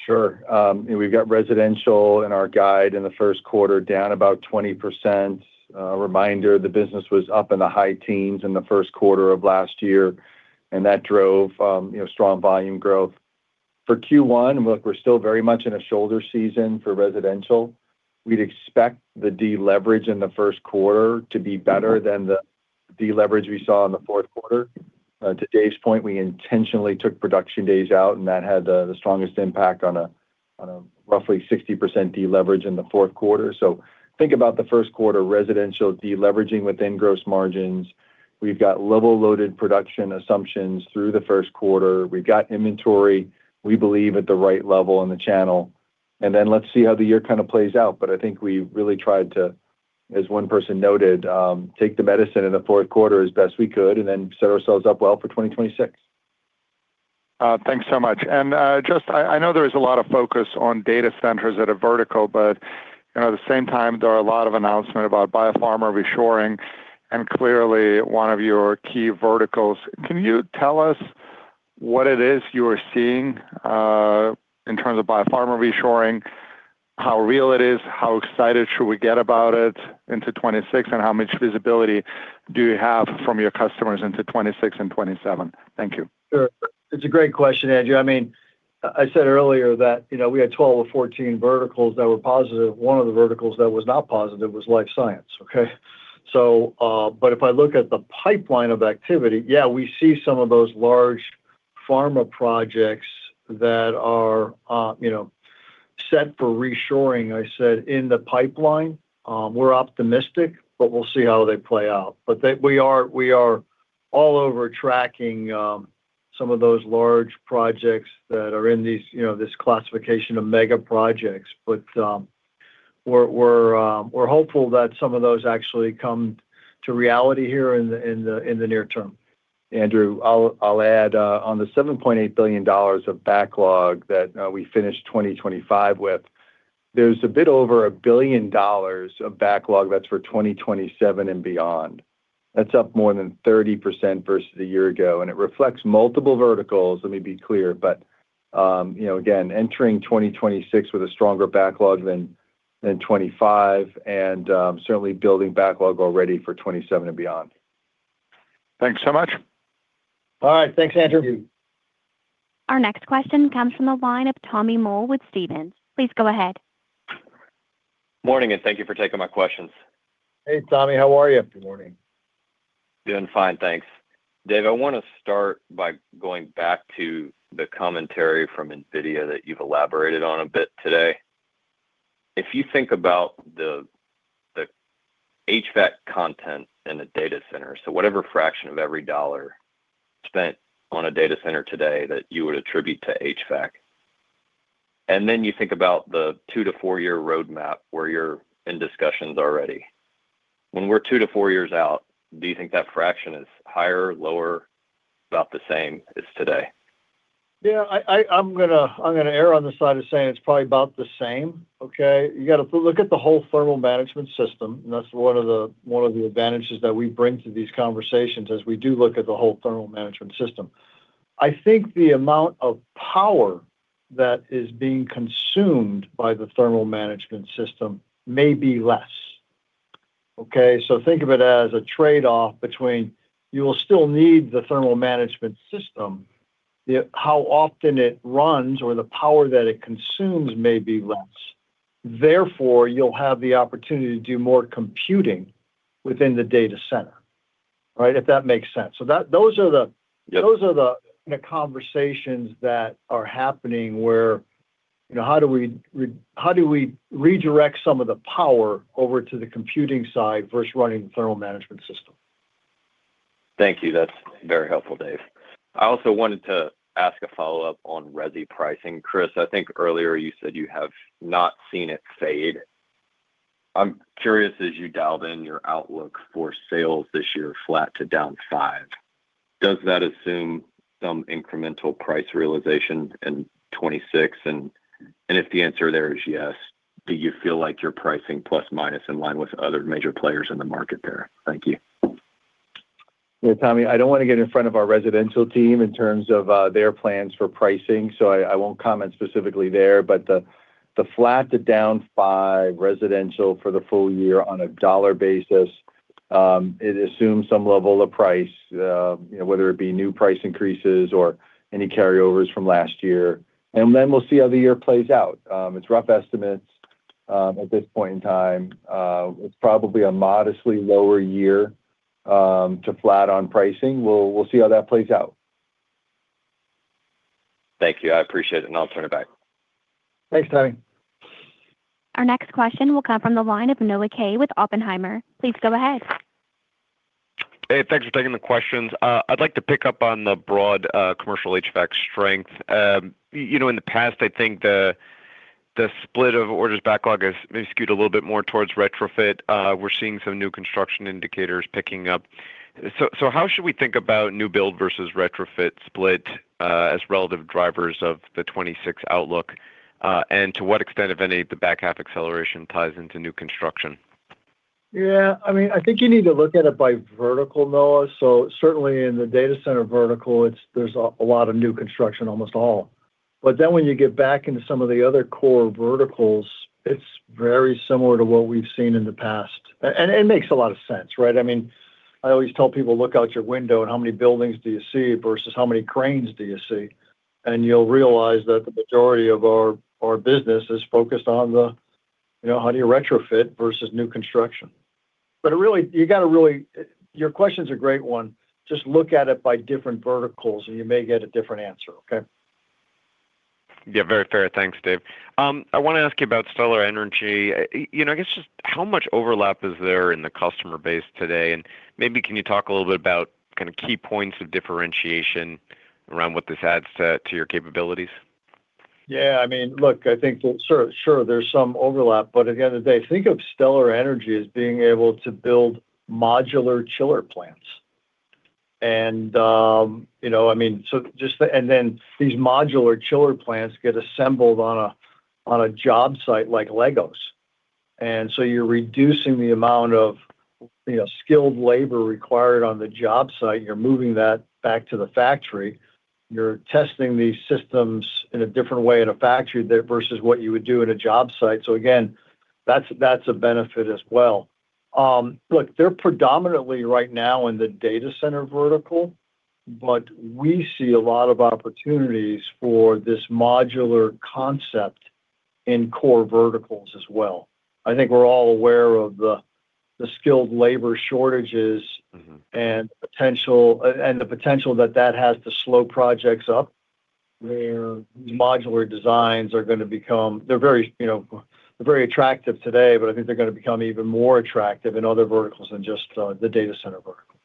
Sure. And we've got residential in our guide in the first quarter, down about 20%. Reminder, the business was up in the high teens in the first quarter of last year, and that drove, you know, strong volume growth. For Q1, look, we're still very much in a shoulder season for residential. We'd expect the deleverage in the first quarter to be better than the deleverage we saw in the fourth quarter. To Dave's point, we intentionally took production days out, and that had the strongest impact on a roughly 60% deleverage in the fourth quarter. So think about the first quarter residential deleveraging within gross margins. We've got level loaded production assumptions through the first quarter. We've got inventory, we believe, at the right level in the channel, and then let's see how the year kind of plays out. But I think we really tried to, as one person noted, take the medicine in the fourth quarter as best we could and then set ourselves up well for 2026.
Thanks so much. And, just I, I know there is a lot of focus on data centers at a vertical, but, you know, at the same time, there are a lot of announcement about biopharma reshoring, and clearly, one of your key verticals. Can you tell us what it is you are seeing in terms of biopharma reshoring? How real it is, how excited should we get about it into 2026, and how much visibility do you have from your customers into 2026 and 2027? Thank you.
Sure. It's a great question, Andrew. I mean, I said earlier that, you know, we had 12 or 14 verticals that were positive. One of the verticals that was not positive was Life Sciences, okay? So, but if I look at the pipeline of activity, yeah, we see some of those large pharma projects that are, you know, set for reshoring. I said, in the pipeline, we're optimistic, but we'll see how they play out. But we are, we are all over tracking, some of those large projects that are in these, you know, this classification of mega projects. But, we're hopeful that some of those actually come to reality here in the, in the, in the near term.
Andrew, I'll add on the $7.8 billion of backlog that we finished 2025 with, there's a bit over $1 billion of backlog. That's for 2027 and beyond. That's up more than 30% versus a year ago, and it reflects multiple verticals, let me be clear. But, you know, again, entering 2026 with a stronger backlog than 2025 and certainly building backlog already for 2027 and beyond.
Thanks so much.
All right. Thanks, Andrew.
Our next question comes from the line of Tommy Moll with Stephens. Please go ahead.
Morning, and thank you for taking my questions.
Hey, Tommy. How are you?
Good morning.
Doing fine, thanks. Dave, I want to start by going back to the commentary from NVIDIA that you've elaborated on a bit today. If you think about the HVAC content in a data center, so whatever fraction of every dollar spent on a data center today that you would attribute to HVAC, and then you think about the 2 to 4-year roadmap where you're in discussions already. When we're 2-4 years out, do you think that fraction is higher, lower, about the same as today?
Yeah, I'm gonna err on the side of saying it's probably about the same, okay? You got to look at the whole thermal management system, and that's one of the advantages that we bring to these conversations, as we do look at the whole thermal management system. I think the amount of power that is being consumed by the thermal management system may be less, okay? Think of it as a trade-off between you will still need the thermal management system. How often it runs or the power that it consumes may be less. Therefore, you'll have the opportunity to do more computing within the data center, right? If that makes sense.
Yeah
Those are the conversations that are happening where, you know, how do we redirect some of the power over to the computing side versus running the thermal management system?
Thank you. That's very helpful, Dave. I also wanted to ask a follow-up on resi pricing. Chris, I think earlier you said you have not seen it fade. I'm curious, as you dialed in your outlook for sales this year, flat to down 5%, does that assume some incremental price realization in 2026? And if the answer there is yes, do you feel like your pricing plus, minus in line with other major players in the market there? Thank you.
Yeah, Tommy, I don't want to get in front of our residential team in terms of, their plans for pricing, so I, I won't comment specifically there. But the, the flat to down 5 residential for the full year on a dollar basis, it assumes some level of price, you know, whether it be new price increases or any carryovers from last year, and then we'll see how the year plays out. It's rough estimates, at this point in time, it's probably a modestly lower year, to flat on pricing. We'll, we'll see how that plays out.
Thank you. I appreciate it, and I'll turn it back.
Thanks, Tommy.
Our next question will come from the line of Noah Kaye with Oppenheimer. Please go ahead.
Hey, thanks for taking the questions. I'd like to pick up on the broad Commercial HVAC strength. You know, in the past, I think the split of orders backlog has maybe skewed a little bit more towards retrofit. We're seeing some new construction indicators picking up. So how should we think about new build versus retrofit split as relative drivers of the 2026 outlook? And to what extent, if any, the back half acceleration ties into new construction?
Yeah, I mean, I think you need to look at it by vertical, Noah. So certainly in the data center vertical, there's a lot of new construction, almost all. But then when you get back into some of the other core verticals, it's very similar to what we've seen in the past. And it makes a lot of sense, right? I mean, I always tell people, "Look out your window and how many buildings do you see versus how many cranes do you see?" And you'll realize that the majority of our business is focused on the, you know, how do you retrofit versus new construction. But really, you gotta really. Your question's a great one. Just look at it by different verticals, and you may get a different answer. Okay?
Yeah, very fair. Thanks, Dave. I wanna ask you about Stellar Energy. You know, I guess just how much overlap is there in the customer base today? And maybe, can you talk a little bit about kinda key points of differentiation around what this adds to, to your capabilities?
Yeah, I mean, look, I think sure, sure, there's some overlap, but at the end of the day, think of Stellar Energy as being able to build modular chiller plants. And, you know, I mean, and then these modular chiller plants get assembled on a, on a job site like LEGOs. And so you're reducing the amount of, you know, skilled labor required on the job site, you're moving that back to the factory. You're testing these systems in a different way in a factory there versus what you would do at a job site. So again, that's a benefit as well. Look, they're predominantly right now in the data center vertical, but we see a lot of opportunities for this modular concept in core verticals as well. I think we're all aware of the skilled labor shortages and potential, and the potential that that has to slow projects up, where modular designs are gonna become. They're very, you know, very attractive today, but I think they're gonna become even more attractive in other verticals than just the data center vertical.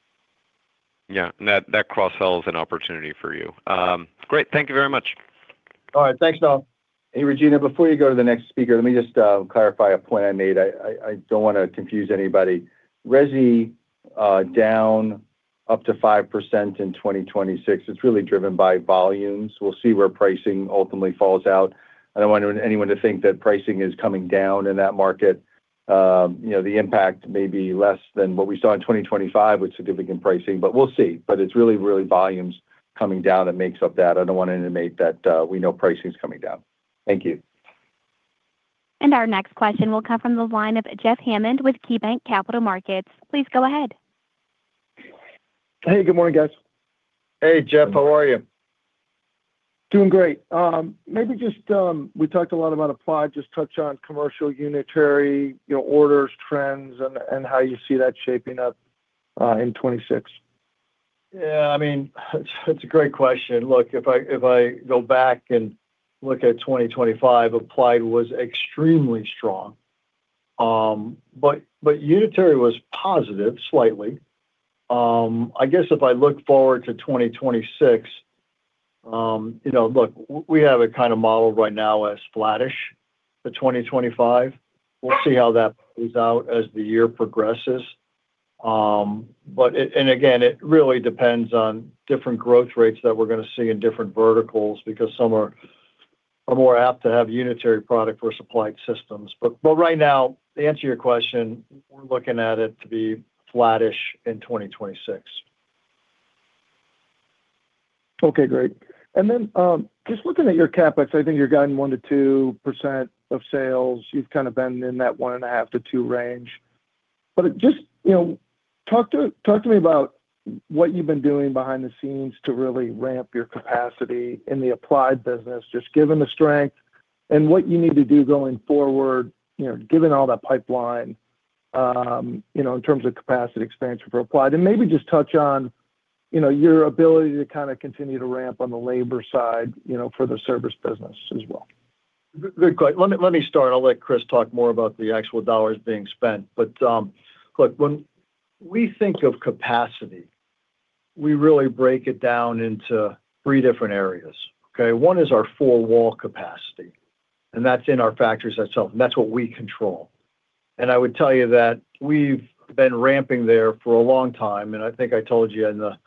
Yeah, and that, that cross-sell is an opportunity for you. Great. Thank you very much.
All right. Thanks, Noah.
Hey, Regina, before you go to the next speaker, let me just clarify a point I made. I don't wanna confuse anybody. Resi down up to 5% in 2026, it's really driven by volumes. We'll see where pricing ultimately falls out. I don't want anyone to think that pricing is coming down in that market. You know, the impact may be less than what we saw in 2025, with significant pricing, but we'll see. But it's really, really volumes coming down that makes up that. I don't wanna intimate that we know pricing is coming down. Thank you.
Our next question will come from the line of Jeff Hammond with KeyBanc Capital Markets. Please go ahead.
Hey, good morning, guys.
Hey, Jeff. How are you?
Doing great. Maybe just, we talked a lot about Applied, just touch on Commercial Unitary, you know, orders, trends, and, and how you see that shaping up in 2026?
Yeah, I mean, it's a great question. Look, if I go back and look at 2025, Applied was extremely strong. But Unitary was positive, slightly. I guess if I look forward to 2026, you know, look, we have it kinda modeled right now as flattish to 2025. We'll see how that plays out as the year progresses. But it really depends on different growth rates that we're gonna see in different verticals, because some are more apt to have Unitary product versus applied systems. But right now, to answer your question, we're looking at it to be flattish in 2026.
Okay, great. Then, just looking at your CapEx, I think you're guiding 1%-2% of sales. You've kinda been in that 1.5-2 range. But just, you know, talk to me about what you've been doing behind the scenes to really ramp your capacity in the Applied business, just given the strength, and what you need to do going forward, you know, given all that pipeline, you know, in terms of capacity expansion for Applied. And maybe just touch on, you know, your ability to kinda continue to ramp on the labor side, you know, for the service business as well.
Good question. Let me, let me start. I'll let Chris talk more about the actual dollars being spent. But, look, when we think of capacity, we really break it down into three different areas. Okay? One is our four-wall capacity, and that's in our factories itself, and that's what we control. And I would tell you that we've been ramping there for a long time, and I think I told you in the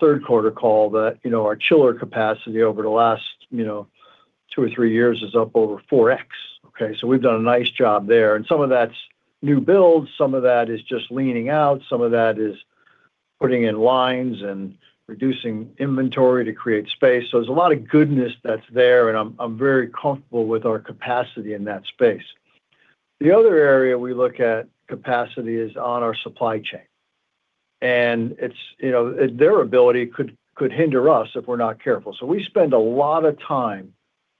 third quarter call that, you know, our chiller capacity over the last, you know, two or three years is up over 4x. Okay, so we've done a nice job there. And some of that's new builds, some of that is just leaning out, some of that is putting in lines and reducing inventory to create space. So there's a lot of goodness that's there, and I'm very comfortable with our capacity in that space. The other area we look at capacity is on our supply chain, and it's, you know, their ability could hinder us if we're not careful. So we spend a lot of time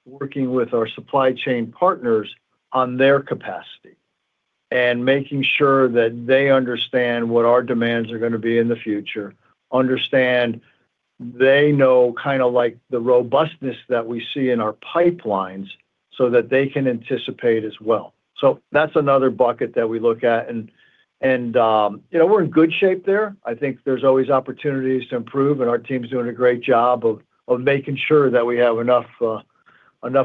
working with our supply chain partners on their capacity and making sure that they understand what our demands are gonna be in the future, they know kind of like the robustness that we see in our pipelines so that they can anticipate as well. So that's another bucket that we look at, and you know, we're in good shape there. I think there's always opportunities to improve, and our team's doing a great job of making sure that we have enough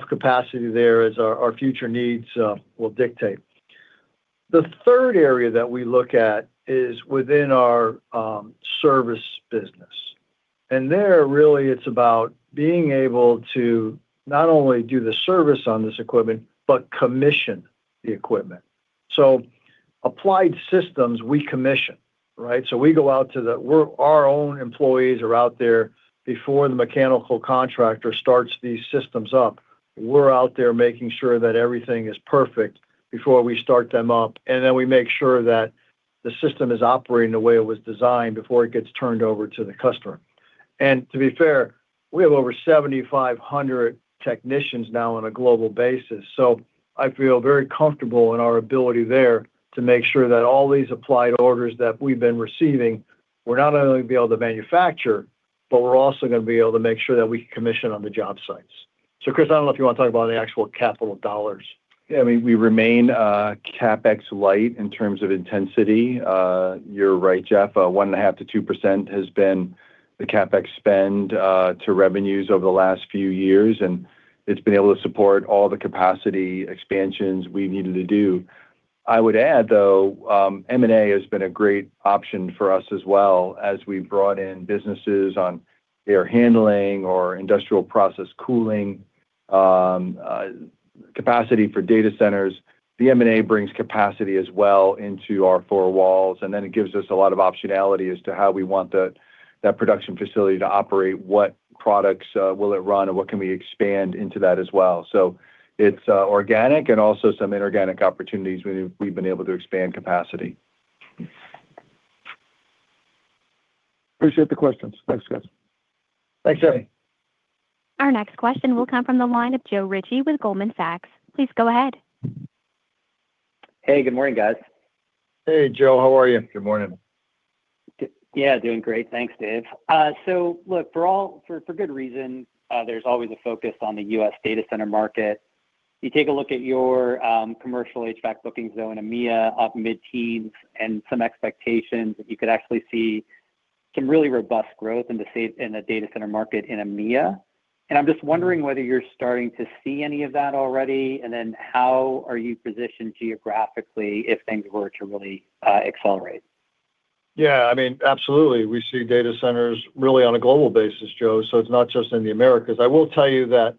capacity there as our future needs will dictate. The third area that we look at is within our service business, and there really it's about being able to not only do the service on this equipment but commission the equipment. So Applied Solutions, we commission, right? So we go out there. Our own employees are out there before the mechanical contractor starts these systems up. We're out there making sure that everything is perfect before we start them up, and then we make sure that the system is operating the way it was designed before it gets turned over to the customer. To be fair, we have over 7,500 technicians now on a global basis, so I feel very comfortable in our ability there to make sure that all these applied orders that we've been receiving, we're not only gonna be able to manufacture, but we're also gonna be able to make sure that we can commission on the job sites. So, Chris, I don't know if you wanna talk about the actual capital dollars.
Yeah, I mean, we remain CapEx light in terms of intensity. You're right, Jeff. 1.5%-2% has been the CapEx spend to revenues over the last few years, and it's been able to support all the capacity expansions we've needed to do. I would add, though, M&A has been a great option for us as well as we've brought in businesses on air handling or industrial process cooling capacity for data centers. The M&A brings capacity as well into our four walls, and then it gives us a lot of optionality as to how we want the, that production facility to operate, what products will it run, and what can we expand into that as well. So it's organic and also some inorganic opportunities we've been able to expand capacity.
Appreciate the questions. Thanks, guys.
Thanks, Jeff.
Our next question will come from the line of Joe Ritchie with Goldman Sachs. Please go ahead.
Hey, good morning, guys.
Hey, Joe. How are you?
Good morning.
Yeah, doing great. Thanks, Dave. Look, for good reason, there's always a focus on the US data center market. You take a look at your, commercial HVAC bookings though in EMEA, up mid-teens, and some expectations that you could actually see some really robust growth in the sa- in the data center market in EMEA. I'm just wondering whether you're starting to see any of that already, and then how are you positioned geographically if things were to really, accelerate?
Yeah, I mean, absolutely. We see data centers really on a global basis, Joe, so it's not just in the Americas. I will tell you that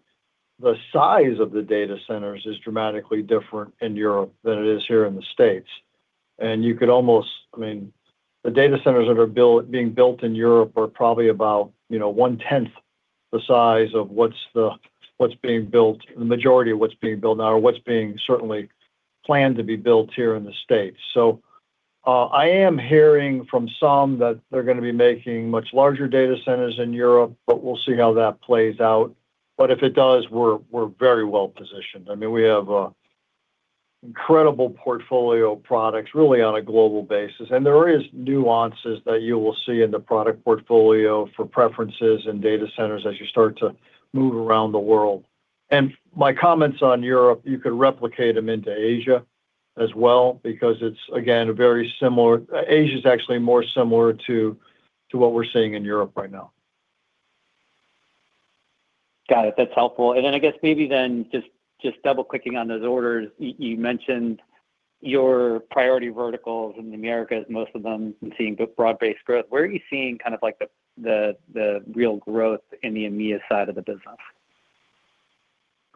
the size of the data centers is dramatically different in Europe than it is here in the States, and you could almost, I mean, the data centers that are built-being built in Europe are probably about, you know, 1/10 the size of what's being built, the majority of what's being built now or what's being certainly planned to be built here in the States. So, I am hearing from some that they're gonna be making much larger data centers in Europe, but we'll see how that plays out. But if it does, we're very well positioned. I mean, we have incredible portfolio products, really on a global basis, and there is nuances that you will see in the product portfolio for preferences and data centers as you start to move around the world. My comments on Europe, you could replicate them into Asia as well because it's, again, a very similar, Asia is actually more similar to what we're seeing in Europe right now.
Got it. That's helpful. Then I guess maybe then just double-clicking on those orders, you mentioned your priority verticals in the Americas, most of them seeing broad-based growth. Where are you seeing kind of like the real growth in the EMEA side of the business?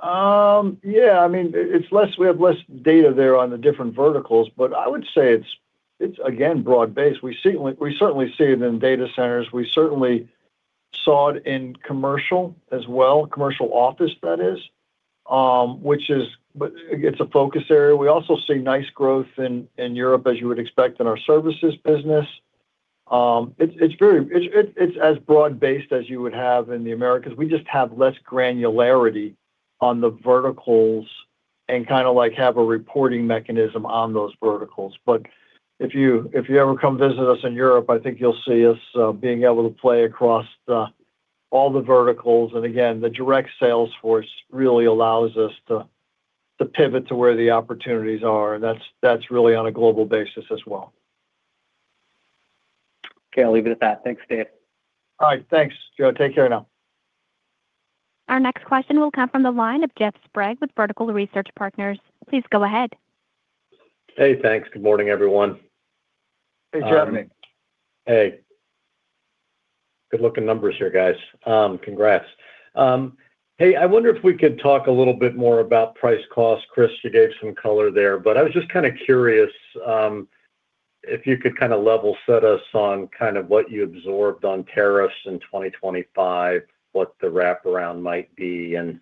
Yeah, I mean, it's less, we have less data there on the different verticals, but I would say it's, it's again, broad-based. We certainly see it in data centers. We certainly saw it in commercial as well, commercial office, that is, which is, but, it's a focus area. We also see nice growth in, in Europe, as you would expect in our services business. It's as broad-based as you would have in the Americas. We just have less granularity on the verticals and kind of like have a reporting mechanism on those verticals. But if you, if you ever come visit us in Europe, I think you'll see us, being able to play across the, all the verticals. And again, the direct sales force really allows us to pivot to where the opportunities are, and that's really on a global basis as well.
Okay. I'll leave it at that. Thanks, Dave.
All right. Thanks, Joe. Take care now.
Our next question will come from the line of Jeff Sprague with Vertical Research Partners. Please go ahead.
Hey, thanks. Good morning, everyone.
Hey, Jeff.
Hey. Good looking numbers here, guys. Congrats. Hey, I wonder if we could talk a little bit more about price cost. Chris, you gave some color there, but I was just kind of curious, if you could kind of level set us on kind of what you absorbed on tariffs in 2025, what the wraparound might be. And,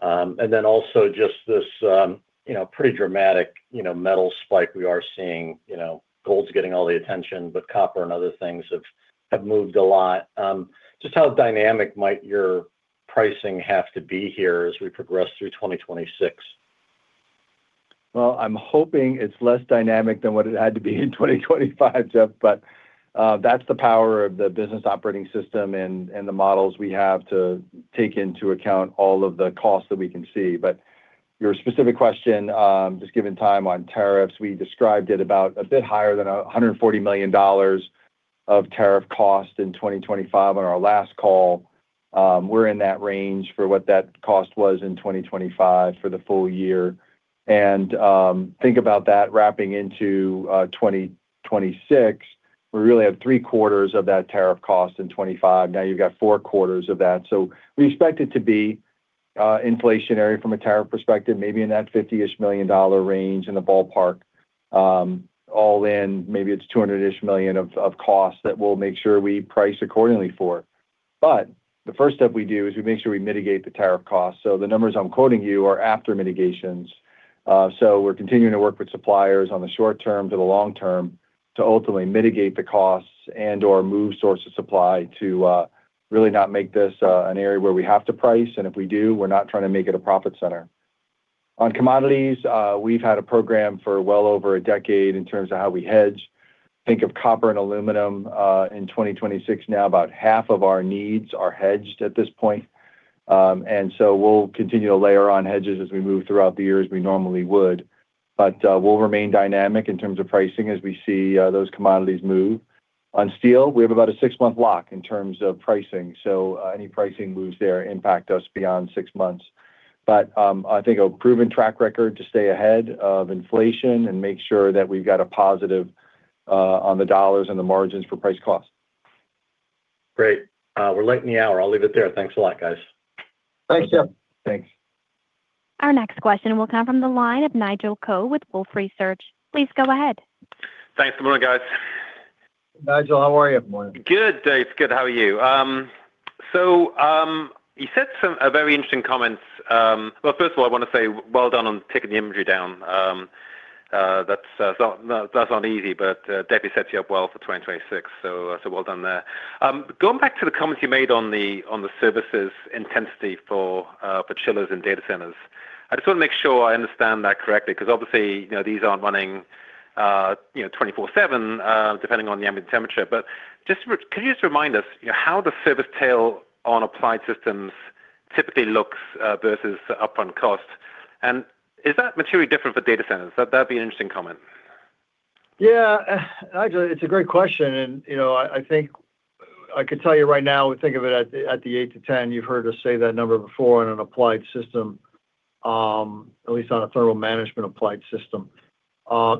and then also just this, you know, pretty dramatic, you know, metal spike we are seeing. You know, gold's getting all the attention, but copper and other things have, have moved a lot. Just how dynamic might your pricing have to be here as we progress through 2026?
Well, I'm hoping it's less dynamic than what it had to be in 2025, Jeff, but that's the power of the Business Operating System and the models we have to take into account all of the costs that we can see. But your specific question, just given time on tariffs, we described it about a bit higher than $140 million of tariff cost in 2025 on our last call. We're in that range for what that cost was in 2025 for the full year. And think about that wrapping into 2026. We really have three quarters of that tariff cost in 2025. Now you've got four quarters of that. So we expect it to be inflationary from a tariff perspective, maybe in that $50-ish million range in the ballpark. All in, maybe it's $200-ish million of costs that we'll make sure we price accordingly for. But the first step we do is we make sure we mitigate the tariff cost. So the numbers I'm quoting you are after mitigations. So we're continuing to work with suppliers on the short term to the long term, to ultimately mitigate the costs and/or move sources of supply to really not make this an area where we have to price, and if we do, we're not trying to make it a profit center. On commodities, we've had a program for well over a decade in terms of how we hedge. Think of copper and aluminum in 2026. Now, about half of our needs are hedged at this point. And so we'll continue to layer on hedges as we move throughout the year, as we normally would. But, we'll remain dynamic in terms of pricing as we see those commodities move. On steel, we have about a six-month lock in terms of pricing, so any pricing moves there impact us beyond six months. But, I think a proven track record to stay ahead of inflation and make sure that we've got a positive on the dollars and the margins for price cost.
Great. We're late in the hour. I'll leave it there. Thanks a lot, guys.
Thanks, Jeff.
Thanks.
Our next question will come from the line of Nigel Coe with Wolfe Research. Please go ahead.
Thanks. Good morning, guys.
Nigel, how are you this morning?
Good, Dave. Good. How are you? So, you said some very interesting comments. Well, first of all, I want to say well done on taking the inventory down. That's not easy, but sets you up well for 2026, so well done there. Going back to the comments you made on the services intensity for chillers and data centers, I just want to make sure I understand that correctly, because obviously, you know, these aren't running, you know, 24/7, depending on the ambient temperature. But just, could you just remind us, you know, how the service tail on applied systems typically looks versus the upfront cost? And is that materially different for data centers? That'd be an interesting comment.
Yeah, Nigel, it's a great question, and, you know, I think I could tell you right now, we think of it at the 8-10. You've heard us say that number before in an applied system, at least on a thermal management applied system.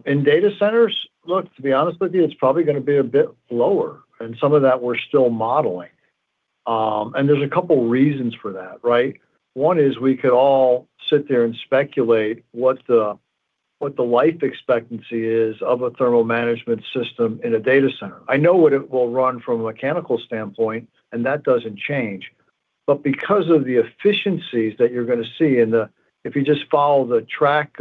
In data centers, look, to be honest with you, it's probably gonna be a bit lower, and some of that we're still modeling. And there's a couple reasons for that, right? One is we could all sit there and speculate what the life expectancy is of a thermal management system in a data center. I know what it will run from a mechanical standpoint, and that doesn't change. But because of the efficiencies that you're gonna see in the, if you just follow the track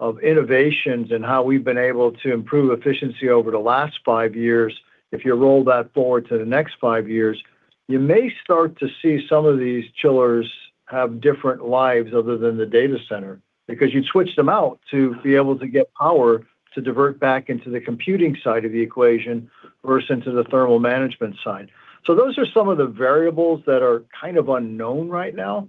of innovations and how we've been able to improve efficiency over the last 5 years, if you roll that forward to the next 5 years, you may start to see some of these chillers have different lives other than the data center. Because you'd switch them out to be able to get power to divert back into the computing side of the equation versus into the thermal management side. So those are some of the variables that are kind of unknown right now.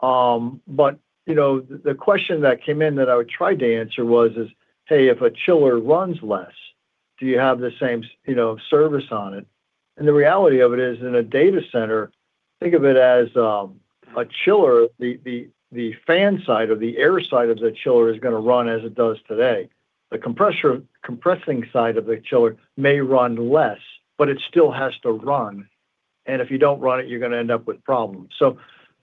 But, you know, the question that came in that I would try to answer was, is: Hey, if a chiller runs less, do you have the same, you know, service on it? And the reality of it is, in a data center, think of it as a chiller, the fan side or the air side of the chiller is gonna run as it does today. The compressor-compressing side of the chiller may run less, but it still has to run, and if you don't run it, you're gonna end up with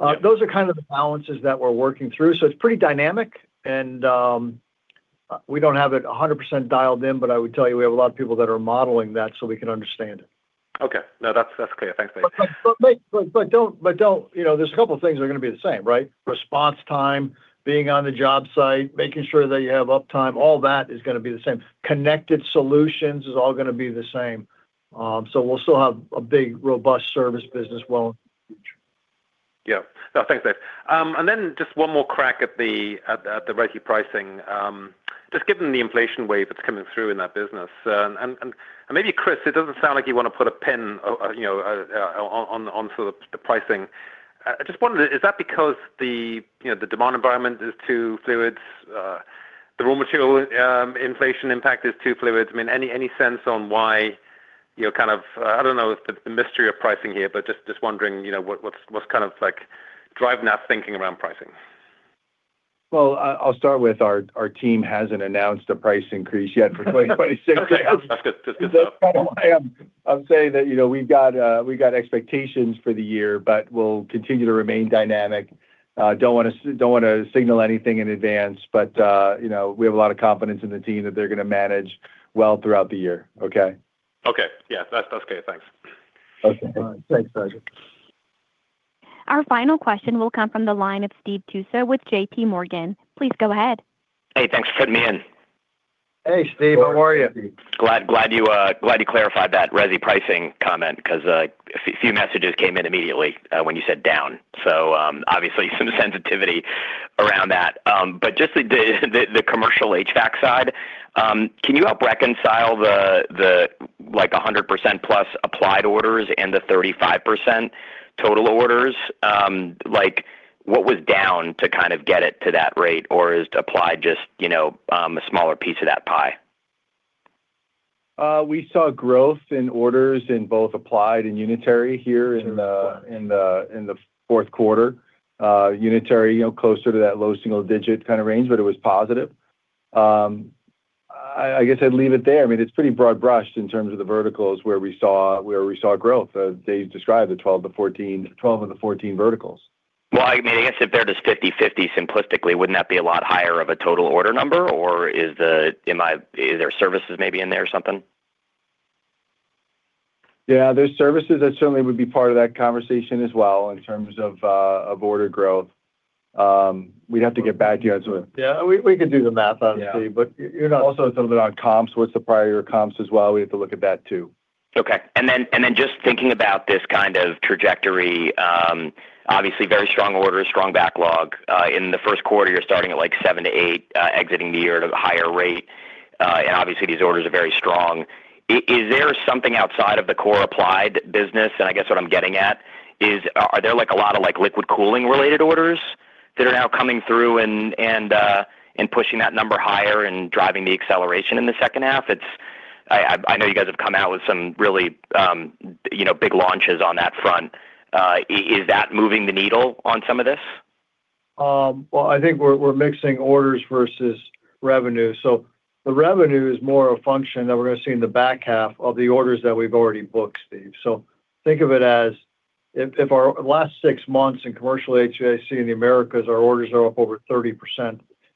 problems. So those are kind of the balances that we're working through. So it's pretty dynamic, and we don't have it 100% dialed in, but I would tell you, we have a lot of people that are modeling that, so we can understand it.
Okay. No, that's, that's clear. Thanks, Dave.
But don't. You know, there's a couple of things that are gonna be the same, right? Response time, being on the job site, making sure that you have uptime, all that is gonna be the same. Connected solutions is all gonna be the same. So we'll still have a big, robust service business well into the future.
Yeah. No, thanks, Dave. And then just one more crack at the pricing. Just given the inflation wave that's coming through in that business, and maybe, Chris, it doesn't sound like you want to put a pin, you know, on sort of the pricing. I just wondered, is that because the, you know, the demand environment is too fluid, the raw material, inflation impact is too fluid? I mean, any sense on why, you know, kind of, I don't know the mystery of pricing here, but just wondering, you know, what's kind of like driving that thinking around pricing?
Well, I'll start with our team hasn't announced a price increase yet for 2026.
Okay, that's good. That's good stuff.
I'm saying that, you know, we've got expectations for the year, but we'll continue to remain dynamic. Don't wanna signal anything in advance, but, you know, we have a lot of confidence in the team that they're gonna manage well throughout the year. Okay?
Okay. Yeah, that's, that's great. Thanks.
Okay.
Thanks, Nigel.
Our final question will come from the line of Steve Tusa with JPMorgan. Please go ahead.
Hey, thanks for putting me in.
Hey, Steve. How are you?
Glad you clarified that resi pricing comment 'cause a few messages came in immediately when you said down. So, obviously, some sensitivity around that. But just the commercial HVAC side, can you help reconcile the like 100%+ applied orders and the 35% total orders? Like, what was down to kind of get it to that rate, or is applied just, you know, a smaller piece of that pie?
We saw growth in orders in both Applied and Unitary here in the fourth quarter. Unitary, you know, closer to that low single digit kind of range, but it was positive. I guess I'd leave it there. I mean, it's pretty broad brushed in terms of the verticals where we saw growth, as Dave described, the 12 of the 14 verticals.
Well, I mean, I guess if they're just 50/50 simplistically, wouldn't that be a lot higher of a total order number, or are there services maybe in there or something?
Yeah, there's services that certainly would be part of that conversation as well in terms of of order growth. We'd have to get back to you on sort of.
Yeah, we could do the math on Steve.
Yeah.
But you're not also a little bit on comps, what's the prior comps as well? We have to look at that too.
Okay. And then just thinking about this kind of trajectory, obviously very strong orders, strong backlog. In the first quarter, you're starting at, like, 7-8, exiting the year at a higher rate. And obviously, these orders are very strong. Is there something outside of the core applied business? And I guess what I'm getting at is, are there, like, a lot of, like, liquid cooling related orders that are now coming through and pushing that number higher and driving the acceleration in the second half? I know you guys have come out with some really, you know, big launches on that front. Is that moving the needle on some of this?
Well, I think we're, we're mixing orders versus revenue. So the revenue is more a function that we're gonna see in the back half of the orders that we've already booked, Steve. So think of it as if, if our last six months in Commercial HVAC in the Americas, our orders are up over 30%,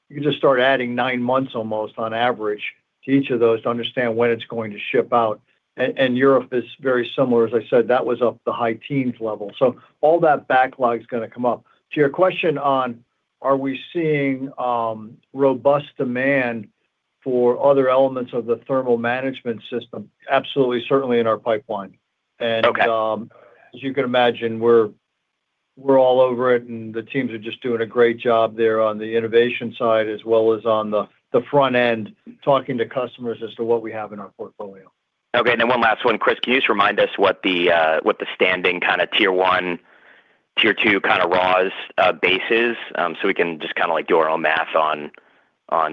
you can just start adding nine months, almost, on average to each of those to understand when it's going to ship out. And, and Europe is very similar. As I said, that was up the high teens%. So all that backlog is gonna come up. To your question on, are we seeing, robust demand for other elements of the Thermal Management System? Absolutely, certainly in our pipeline.
Okay.
As you can imagine, we're all over it, and the teams are just doing a great job there on the innovation side, as well as on the front end, talking to customers as to what we have in our portfolio.
Okay, and then one last one. Chris, can you just remind us what the standing kinda Tier 1, Tier 2 kinda raws base is? So we can just kinda, like, do our own math on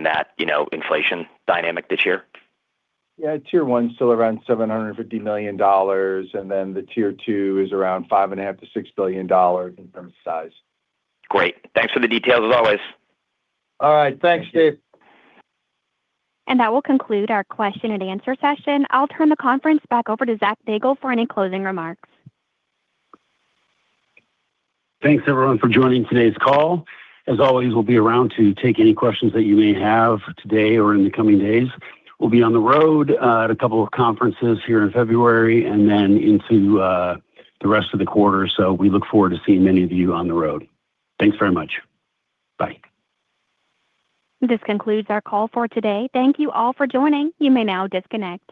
that, you know, inflation dynamic this year.
Yeah. Tier 1 is still around $750 million, and then the Tier 2 is around $5.5 billion-$6 billion in terms of size.
Great. Thanks for the details, as always.
All right. Thanks, Steve.
That will conclude our question-and-answer session. I'll turn the conference back over to Zac Nagle for any closing remarks.
Thanks, everyone, for joining today's call. As always, we'll be around to take any questions that you may have today or in the coming days. We'll be on the road at a couple of conferences here in February, and then into the rest of the quarter. So we look forward to seeing many of you on the road. Thanks very much. Bye.
This concludes our call for today. Thank you all for joining. You may now disconnect.